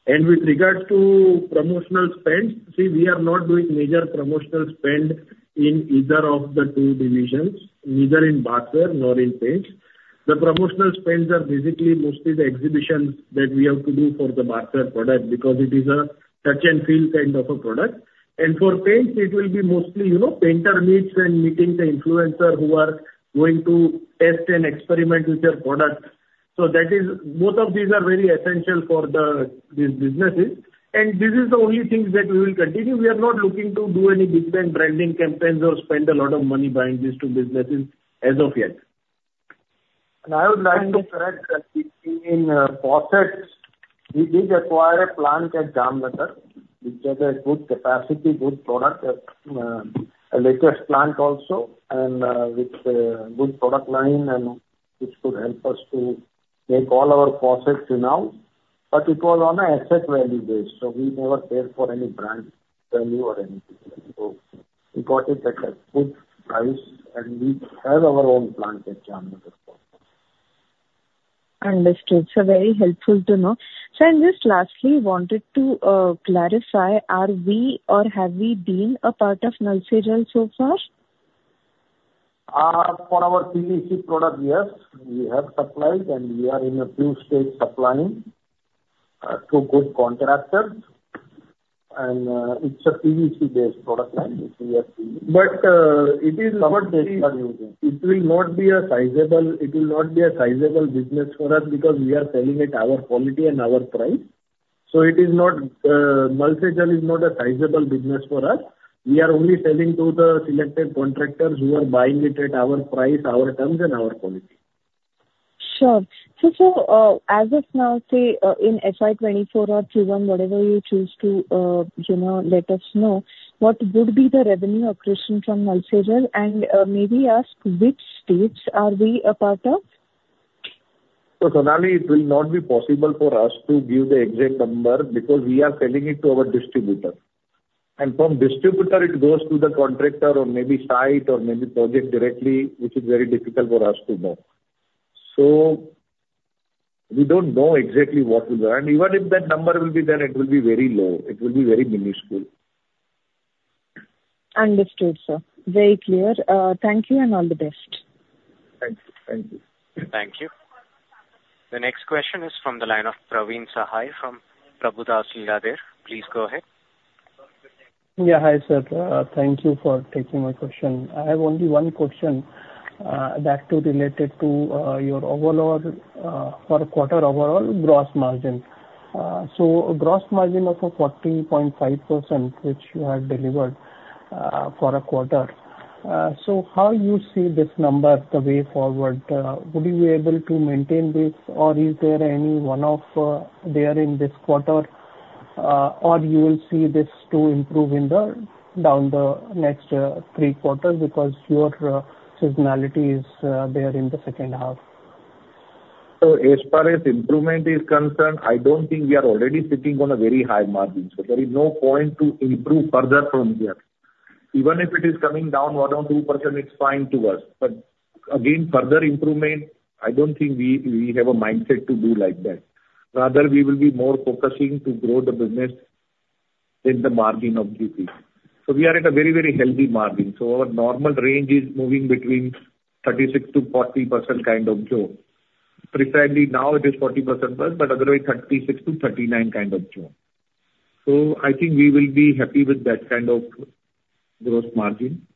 With regards to promotional spends, see, we are not doing major promotional spend in either of the two divisions, neither in bathware nor in paints. The promotional spends are basically mostly the exhibitions that we have to do for the bathware product, because it is a touch and feel kind of a product. And for paints, it will be mostly, you know, painter meets and meeting the influencer who are going to test and experiment with their products. So that is, both of these are very essential for the, these businesses, and this is the only thing that we will continue. We are not looking to do any big brand, branding campaigns or spend a lot of money building these two businesses as of yet. I would like to correct that in, faucets, we did acquire a plant at Jamnagar, which has a good capacity, good product, a latest plant also, and, with a good product line and which could help us to make all our faucets now. But it was on an asset value base, so we never paid for any brand value or anything. So we got it at a good price, and we have our own plant at Jamnagar. Understood. So very helpful to know. Sir, just lastly, wanted to clarify, are we or have we been a part of Nal Se Jal so far? For our PVC product, yes, we have supplied, and we are in a few states supplying to good contractors. It's a PVC-based product line, which we are seeing. But it will not be a sizable business for us because we are selling at our quality and our price. So it is not. Nal Se Jal is not a sizable business for us. We are only selling to the selected contractors who are buying it at our price, our terms, and our quality. Sure. So, sir, as of now, say, in FY 2024 or Q1, whatever you choose to, you know, let us know, what would be the revenue accretion from Nal Se Jal? And, may we ask which states are we a part of? So, Sonali, it will not be possible for us to give the exact number because we are selling it to our distributor. From distributor, it goes to the contractor or maybe site or maybe project directly, which is very difficult for us to know. We don't know exactly what will run. Even if that number will be there, it will be very low. It will be very minuscule. Understood, sir. Very clear. Thank you and all the best. Thank you. Thank you. Thank you. The next question is from the line of Praveen Sahay from Prabhudas Lilladher. Please go ahead. Yeah, hi, sir. Thank you for taking my question. I have only one question, that too related to your overall for quarter overall gross margin. So gross margin of 40.5%, which you have delivered for a quarter. So how you see this number the way forward? Would you be able to maintain this, or is there any one-off there in this quarter, or you will see this to improve in the down the next three quarters because your seasonality is there in the second half? So as far as improvement is concerned, I don't think we are already sitting on a very high margin, so there is no point to improve further from here. Even if it is coming down 1 or 2%, it's fine to us. But again, further improvement, I don't think we have a mindset to do like that. Rather, we will be more focusing to grow the business than the margin of GP. So we are at a very, very healthy margin. So our normal range is moving between 36%-40% kind of zone. Precisely now it is 40%+, but otherwise 36-39 kind of zone. So I think we will be happy with that kind of gross margin,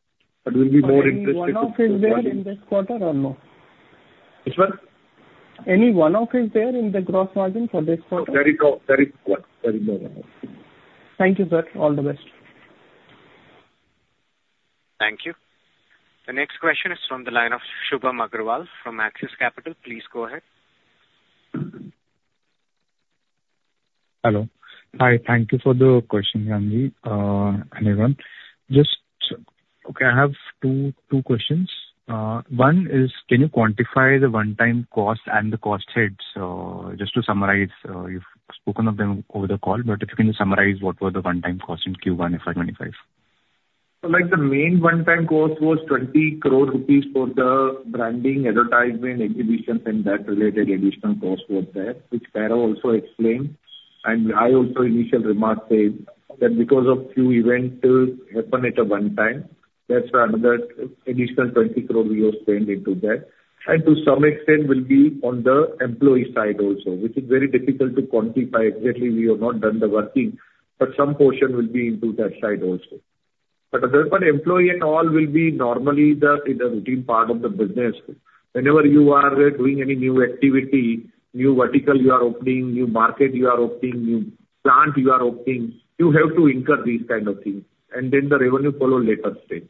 but we'll be more interested to- One-off is there in this quarter or no?... Which one? Any one-off is there in the gross margin for this quarter? Very low, very low, very low. Thank you, sir. All the best. Thank you. The next question is from the line of Shubham Agarwal from Axis Capital. Please go ahead. Hello. Hi, thank you for the question, Randy, and everyone. Just, okay, I have two, two questions. One is, can you quantify the one-time cost and the cost heads? Just to summarize, you've spoken of them over the call, but if you can just summarize what were the one-time costs in Q1 FY25. So, like, the main one-time cost was 20 crore rupees for the branding, advertisement, exhibitions, and that related additional cost was there, which Kairav also explained. And I also initial remark said that because of few events happened at a one time, that's another additional 20 crore we have spent into that. And to some extent will be on the employee side also, which is very difficult to quantify. Exactly, we have not done the working, but some portion will be into that side also. But other than employee and all will be normally the, in the routine part of the business. Whenever you are doing any new activity, new vertical you are opening, new market you are opening, new plant you are opening, you have to incur these kind of things, and then the revenue follow later stage.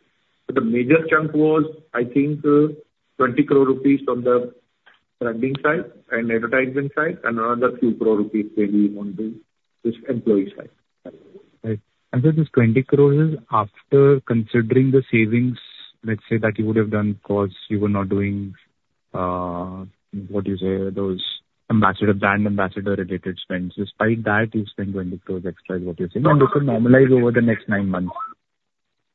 But the major chunk was, I think, 20 crore rupees from the branding side and advertisement side, and another few crore INR maybe on the this employee side. Right. And then this 20 crore is after considering the savings, let's say, that you would have done because you were not doing what you say, those ambassador, brand ambassador related spends. Despite that, you spent 20 crore extra, is what you're saying, and this will normalize over the next nine months.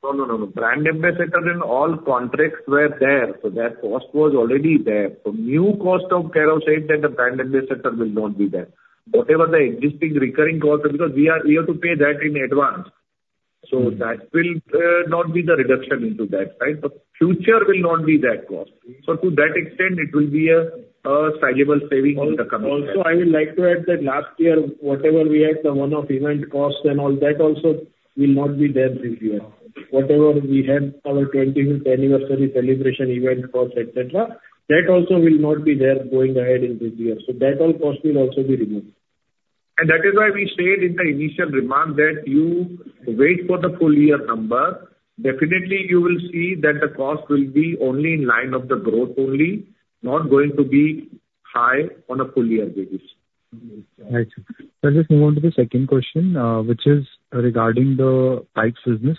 No, no, no, no. Brand ambassador and all contracts were there, so that cost was already there. So, no new cost. The contract said that the brand ambassador will not be there. Whatever the existing recurring cost, because we have to pay that in advance. So that will not be the reduction into that, right? So future will not be that cost. So to that extent, it will be a sizable saving in the coming year. Also, I would like to add that last year, whatever we had, the one-off event costs and all that also will not be there this year. Whatever we had, our twentieth anniversary celebration event costs, et cetera, that also will not be there going ahead in this year. So, all that cost will also be removed. That is why we said in the initial remark that you wait for the full year number. Definitely, you will see that the cost will be only in line of the growth only, not going to be high on a full year basis. Right. So I'll just move on to the second question, which is regarding the pipes business.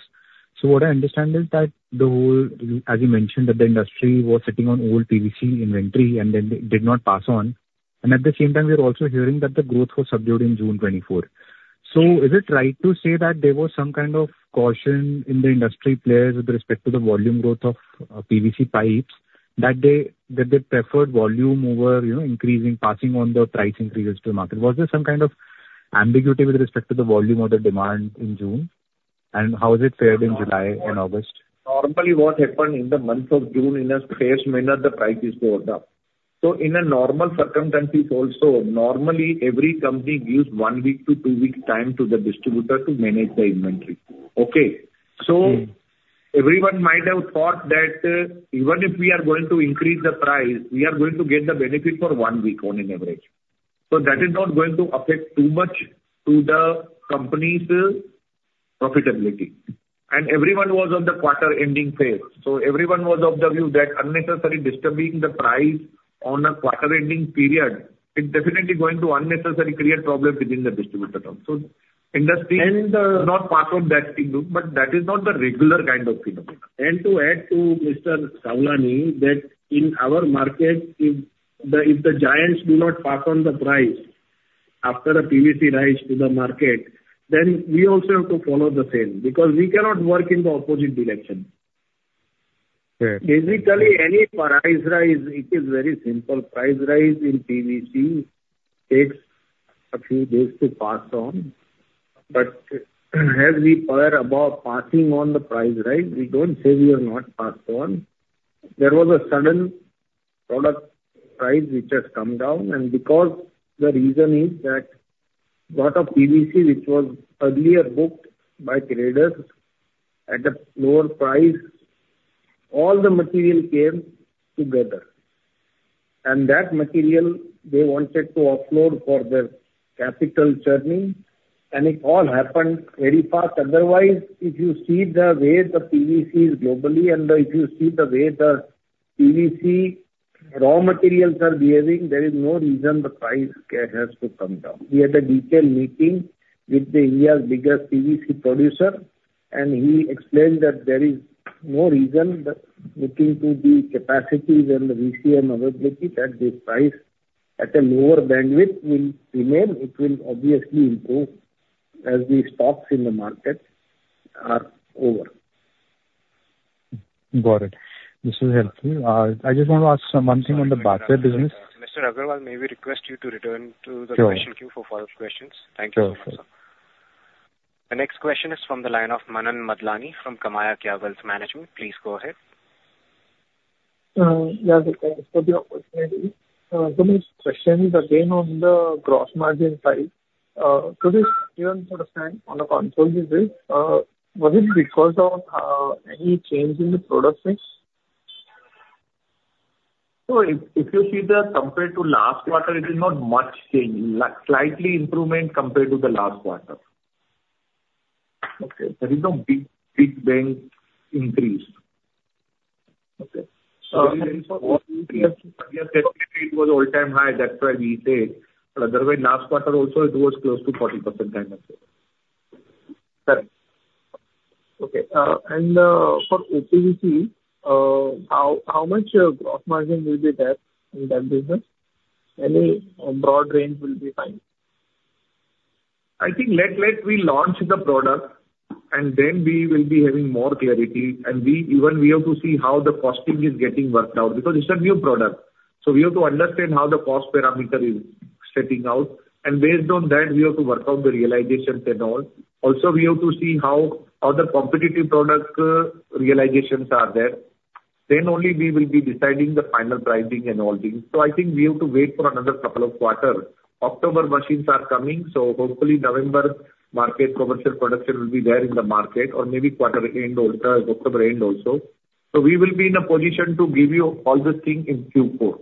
So what I understand is that the whole, as you mentioned, that the industry was sitting on old PVC inventory and then they did not pass on. And at the same time, we are also hearing that the growth was subdued in June 2024. So is it right to say that there was some kind of caution in the industry players with respect to the volume growth of, PVC pipes, that they preferred volume over, you know, increasing, passing on the price increases to the market? Was there some kind of ambiguity with respect to the volume or the demand in June? And how is it fared in July and August? Normally, what happened in the month of June in a space manner, the price is go up. So in normal circumstances also, normally, every company gives one week to two week time to the distributor to manage the inventory. Okay? Mm-hmm. So everyone might have thought that, even if we are going to increase the price, we are going to get the benefit for one week on an average. So that is not going to affect too much to the company's profitability. And everyone was on the quarter-ending phase. So everyone was of the view that unnecessarily disturbing the price on a quarter-ending period is definitely going to unnecessarily create problem within the distributor term. So industry and not pass on that thing, but that is not the regular kind of phenomenon. And to add to Mr. Savlani, that in our market, if the giants do not pass on the price after a PVC rise to the market, then we also have to follow the same, because we cannot work in the opposite direction. Right. Basically, any price rise, it is very simple. Price rise in PVC takes a few days to pass on. But as we were about passing on the price rise, we don't say we have not passed on. There was a sudden product price which has come down, and because the reason is that a lot of PVC, which was earlier booked by traders at a lower price, all the material came together. And that material they wanted to offload for their capital churning, and it all happened very fast. Otherwise, if you see the way the PVC is globally, and, if you see the way the PVC raw materials are behaving, there is no reason the price has to come down. We had a detailed meeting with India's biggest PVC producer, and he explained that there is no reason that looking to the capacities and the VCM availability that the price at a lower bandwidth will remain. It will obviously improve as the stocks in the market are over. Got it. This is helpful. I just want to ask one thing on the bathware business. Mr. Agarwal, may we request you to return to the- Sure. Question queue for further questions? Thank you. Sure. The next question is from the line of Manan Madlani from KamayaKya Wealth Management. Please go ahead. Yeah, good day. Thank you for the opportunity. So my question is again, on the gross margin side. So this even for the time on the control you did, was it because of any change in the product mix? So if, if you see that compared to last quarter, it is not much change. Slightly improvement compared to the last quarter. Okay. There is no big, big bang increase. Okay? So- It was all-time high, that's why we say. But otherwise, last quarter also it was close to 40% than that. Correct. Okay. And, for O-PVC, how much gross margin will be there in that business? Any broad range will be fine. I think let we launch the product, and then we will be having more clarity. And we even have to see how the costing is getting worked out, because it's a new product. So we have to understand how the cost parameter is setting out, and based on that, we have to work out the realizations and all. Also, we have to see how other competitive product realizations are there. Then only we will be deciding the final pricing and all things. So I think we have to wait for another couple of quarter. October machines are coming, so hopefully November market commercial production will be there in the market or maybe quarter end, October end also. So we will be in a position to give you all the thing in Q4.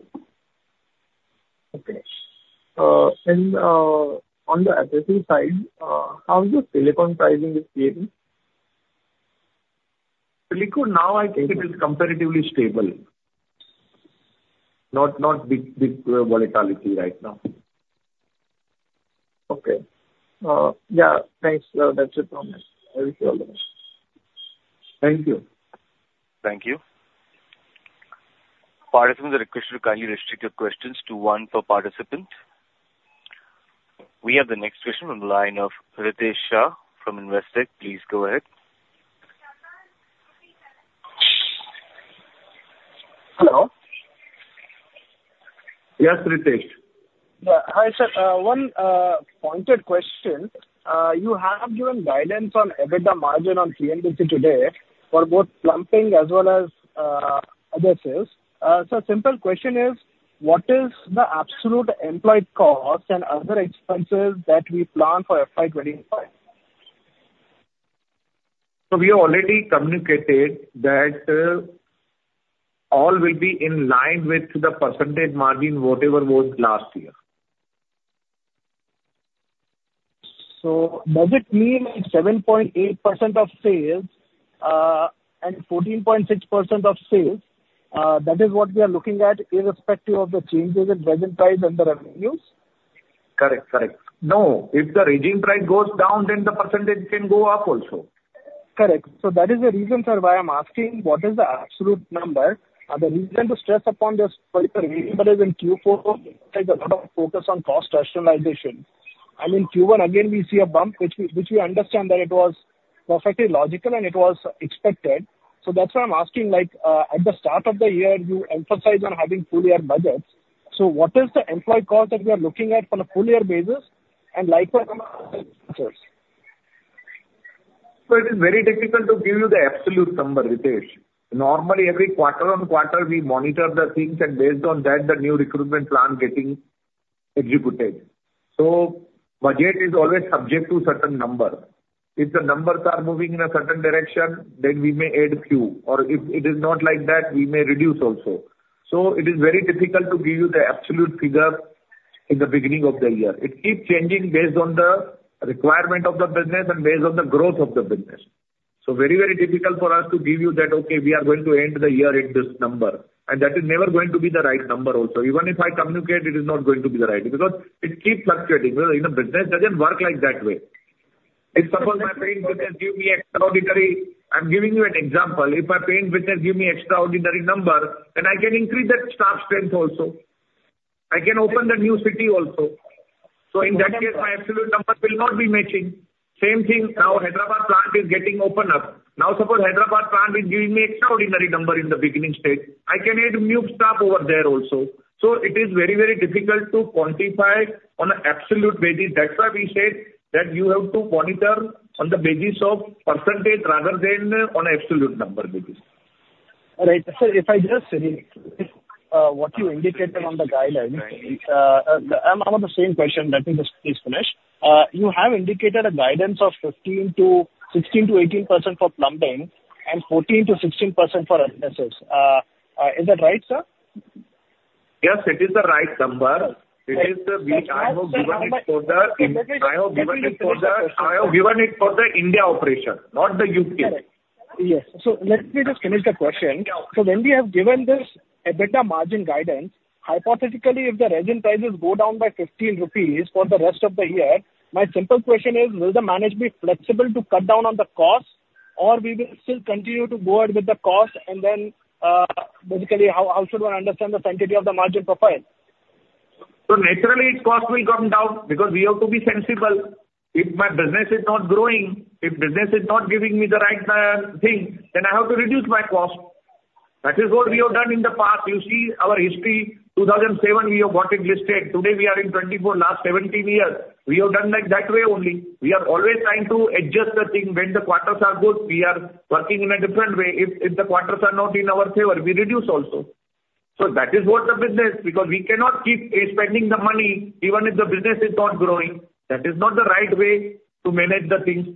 Okay. On the adhesives side, how is the silicone pricing behaving? Silicon, now, I think it is comparatively stable. Not, not big, big, volatility right now. Okay. Yeah, thanks. That's it from us. Thank you all. Thank you. Thank you. Participants are requested to kindly restrict your questions to one per participant. We have the next question on the line of Ritesh Shah from Investec. Please go ahead. Hello? Yes, Ritesh. Yeah. Hi, sir. One pointed question. You have given guidance on EBITDA margin on P&L today for both plumbing as well as other sales. Simple question is: What is the absolute employed cost and other expenses that we plan for FY25? We have already communicated that all will be in line with the percentage margin, whatever was last year. So does it mean 7.8% of sales and 14.6% of sales that is what we are looking at, irrespective of the changes in resin price and the revenues? Correct. Correct. No, if the resin price goes down, then the percentage can go up also. Correct. So that is the reason, sir, why I'm asking what is the absolute number? And the reason to stress upon this, for the reason that is in Q4, is a lot of focus on cost rationalization. And in Q1 again, we see a bump, which we understand that it was perfectly logical and it was expected. So that's why I'm asking, like, at the start of the year, you emphasized on having full year budgets. So what is the employee cost that we are looking at on a full year basis, and likewise on the other expenses? It is very difficult to give you the absolute number, Ritesh. Normally, every quarter-on-quarter, we monitor the things, and based on that, the new recruitment plan getting executed. Budget is always subject to certain number. If the numbers are moving in a certain direction, then we may add few, or if it is not like that, we may reduce also. It is very difficult to give you the absolute figure in the beginning of the year. It keeps changing based on the requirement of the business and based on the growth of the business. Very, very difficult for us to give you that, "Okay, we are going to end the year in this number." That is never going to be the right number also. Even if I communicate, it is not going to be the right, because it keeps fluctuating. Well, you know, business doesn't work like that way. If suppose my business give me extraordinary... I'm giving you an example. If my paints business give me extraordinary number, then I can increase that staff strength also. I can open the new city also. So in that case, my absolute number will not be matching. Same thing, now Hyderabad plant is getting opened up. Now, suppose Hyderabad plant is giving me extraordinary number in the beginning stage, I can add new staff over there also. So it is very, very difficult to quantify on an absolute basis. That's why we said that you have to monitor on the basis of percentage rather than on an absolute number basis. All right. So if I just, what you indicated on the guidance, I'm on the same question. Let me just please finish. You have indicated a guidance of 16%-18% for plumbing and 14%-16% for other sales. Is that right, sir? Yes, it is the right number. Right. It is the which I have given it for the- Let me just- I have given it for the India operation, not the UK. Correct. Yes. So let me just finish the question. Yeah. So when we have given this EBITDA margin guidance, hypothetically, if the resin prices go down by 15 rupees for the rest of the year, my simple question is: Will the management be flexible to cut down on the costs, or we will still continue to go out with the cost? And then, basically, how, how should one understand the sensitivity of the margin profile? So naturally, cost will come down because we have to be sensible. If my business is not growing, if business is not giving me the right thing, then I have to reduce my cost. That is what we have done in the past. You see our history, 2007, we have got it listed. Today we are in 2024, last 17 years, we have done like that way only. We are always trying to adjust the thing. When the quarters are good, we are working in a different way. If, if the quarters are not in our favor, we reduce also.... So that is what the business, because we cannot keep spending the money even if the business is not growing. That is not the right way to manage the things.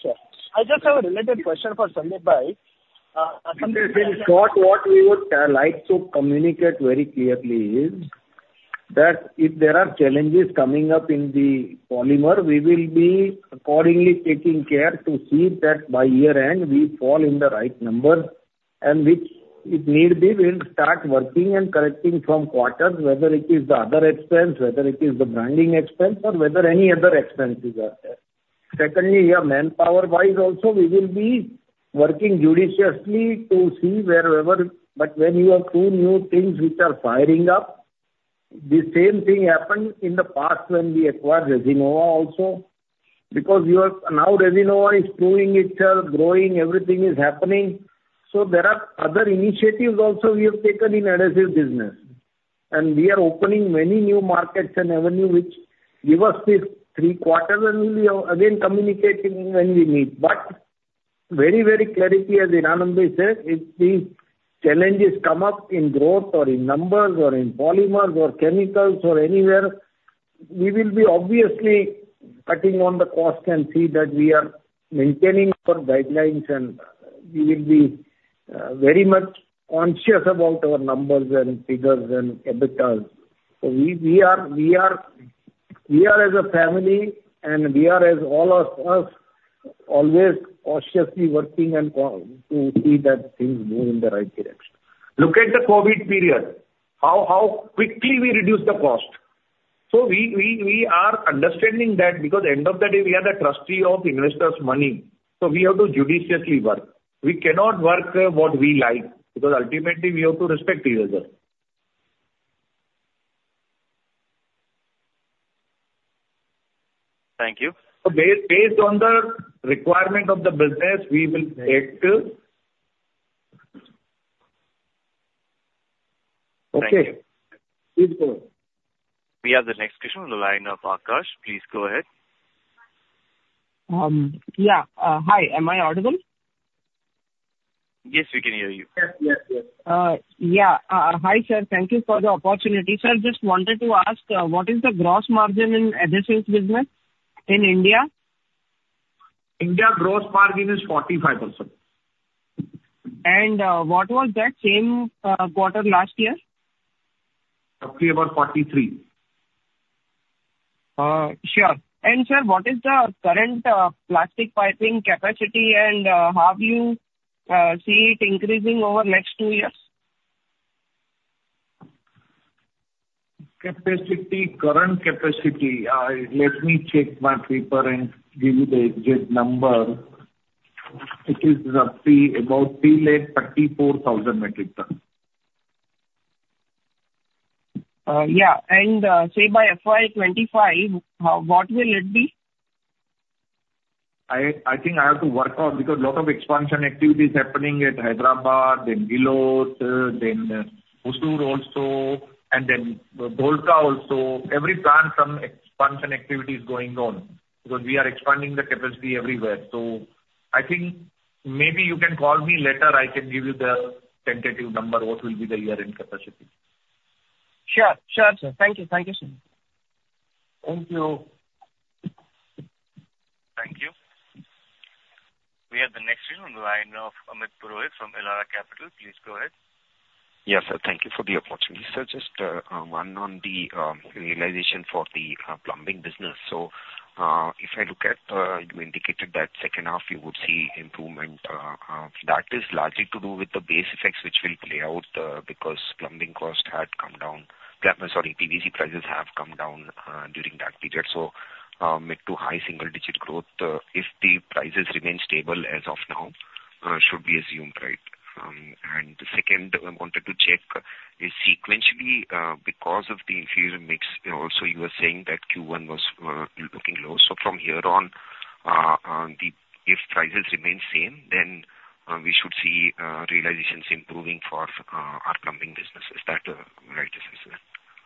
Sure. I just have a related question for Sandeep bhai. In short, what we would like to communicate very clearly is that if there are challenges coming up in the polymer, we will be accordingly taking care to see that by year-end, we fall in the right number, and which if need be, we'll start working and correcting from quarters, whether it is the other expense, whether it is the branding expense or whether any other expenses are there. Secondly, yeah, manpower-wise also, we will be working judiciously to see wherever... But when you have two new things which are firing up, the same thing happened in the past when we acquired Resinova also. Because now Resinova is proving itself, growing, everything is happening. So there are other initiatives also we have taken in adhesive business. We are opening many new markets and avenue which give us this three quarters, and we are again communicating when we meet. But very, very clearly, as Hiranand Savlani said, if the challenges come up in growth or in numbers or in polymers or chemicals or anywhere, we will be obviously cutting on the cost and see that we are maintaining our guidelines, and we will be very much conscious about our numbers and figures and EBITDA. So we are as a family and we are as all of us, always cautiously working and to see that things move in the right direction. Look at the COVID period, how quickly we reduced the cost. So we are understanding that because end of the day, we are the trustee of investors' money, so we have to judiciously work. We cannot work what we like, because ultimately we have to respect each other. Thank you. So based on the requirement of the business, we will take to. Okay. Please go on. We have the next question on the line of Akash. Please go ahead. Yeah. Hi, am I audible? Yes, we can hear you. Yes. Yes, yes. Yeah. Hi, sir. Thank you for the opportunity. Sir, just wanted to ask, what is the gross margin in adhesives business in India? India gross margin is 45%. What was that same quarter last year? Must be about 43. Sure. And sir, what is the current plastic piping capacity, and how do you see it increasing over the next two years? Capacity, current capacity, let me check my paper and give you the exact number. It is about 334,000 metric tons. Yeah, and say by FY 25, what will it be? I, I think I have to work out because a lot of expansion activity is happening at Hyderabad, then Ghiloth, then Hosur also, and then Dholka also. Every plant, some expansion activity is going on because we are expanding the capacity everywhere. So I think maybe you can call me later, I can give you the tentative number, what will be the year-end capacity. Sure. Sure, sir. Thank you. Thank you, sir. Thank you. Thank you. We have the next question on the line of Amit Purohit from Elara Capital. Please go ahead. Yes, sir. Thank you for the opportunity. Sir, just one on the realization for the plumbing business. So, if I look at, you indicated that second half you would see improvement, that is largely to do with the base effects, which will play out, because plumbing cost had come down. Sorry, PVC prices have come down during that period. So, mid to high single digit growth, if the prices remain stable as of now, should be assumed right? And the second, I wanted to check, is sequentially, because of the inferior mix, and also you were saying that Q1 was looking low. So from here on, if prices remain same, then, we should see realizations improving for our plumbing business. Is that right, sir?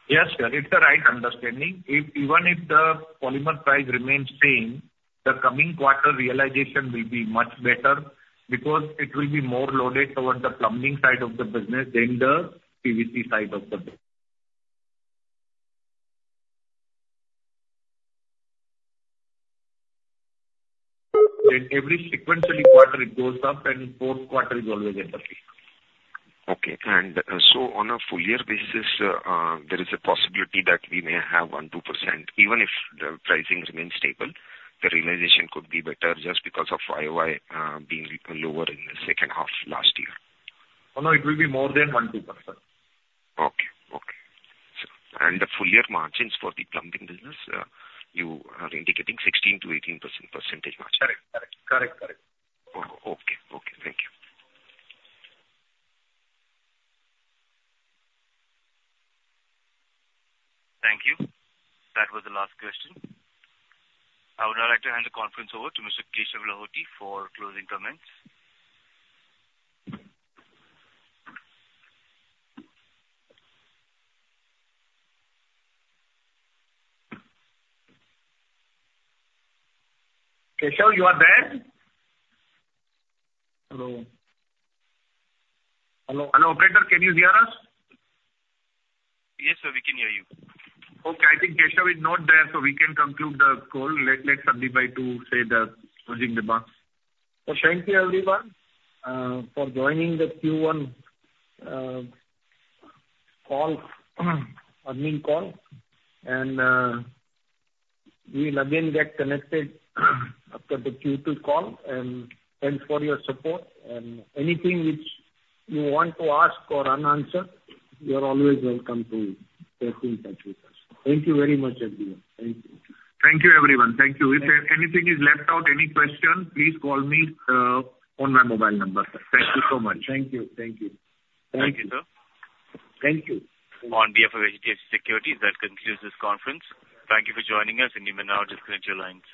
Yes, sir, it's the right understanding. If even if the polymer price remains same, the coming quarter realization will be much better because it will be more loaded toward the plumbing side of the business than the PVC side of the business. Every sequentially quarter, it goes up, and Q4 is always better. Okay. So on a full year basis, there is a possibility that we may have 1%-2%, even if the pricing remains stable, the realization could be better just because of YOY being lower in the second half last year. Oh, no, it will be more than 1.2%. Okay. Okay. The full year margins for the plumbing business, you are indicating 16%-18% percentage margin? Correct. Correct. Correct, correct. Oh, okay. Okay. Thank you. Thank you. That was the last question. I would now like to hand the conference over to Mr. Keshav Lahoti for closing comments. Keshav, you are there? Hello? Hello. Hello, operator, can you hear us? Yes, sir, we can hear you. Okay, I think Keshav is not there, so we can conclude the call. Let Sandeep bhai to say the closing remarks. So thank you, everyone, for joining the Q1 earnings call. We will again get connected after the Q2 call, and thanks for your support. Anything which you want to ask or unanswered, you are always welcome to stay in touch with us. Thank you very much, everyone. Thank you. Thank you, everyone. Thank you. If anything is left out, any question, please call me on my mobile number. Thank you so much. Thank you. Thank you. Thank you, sir. Thank you. On behalf of HDFC Securities, that concludes this conference. Thank you for joining us, and you may now disconnect your lines.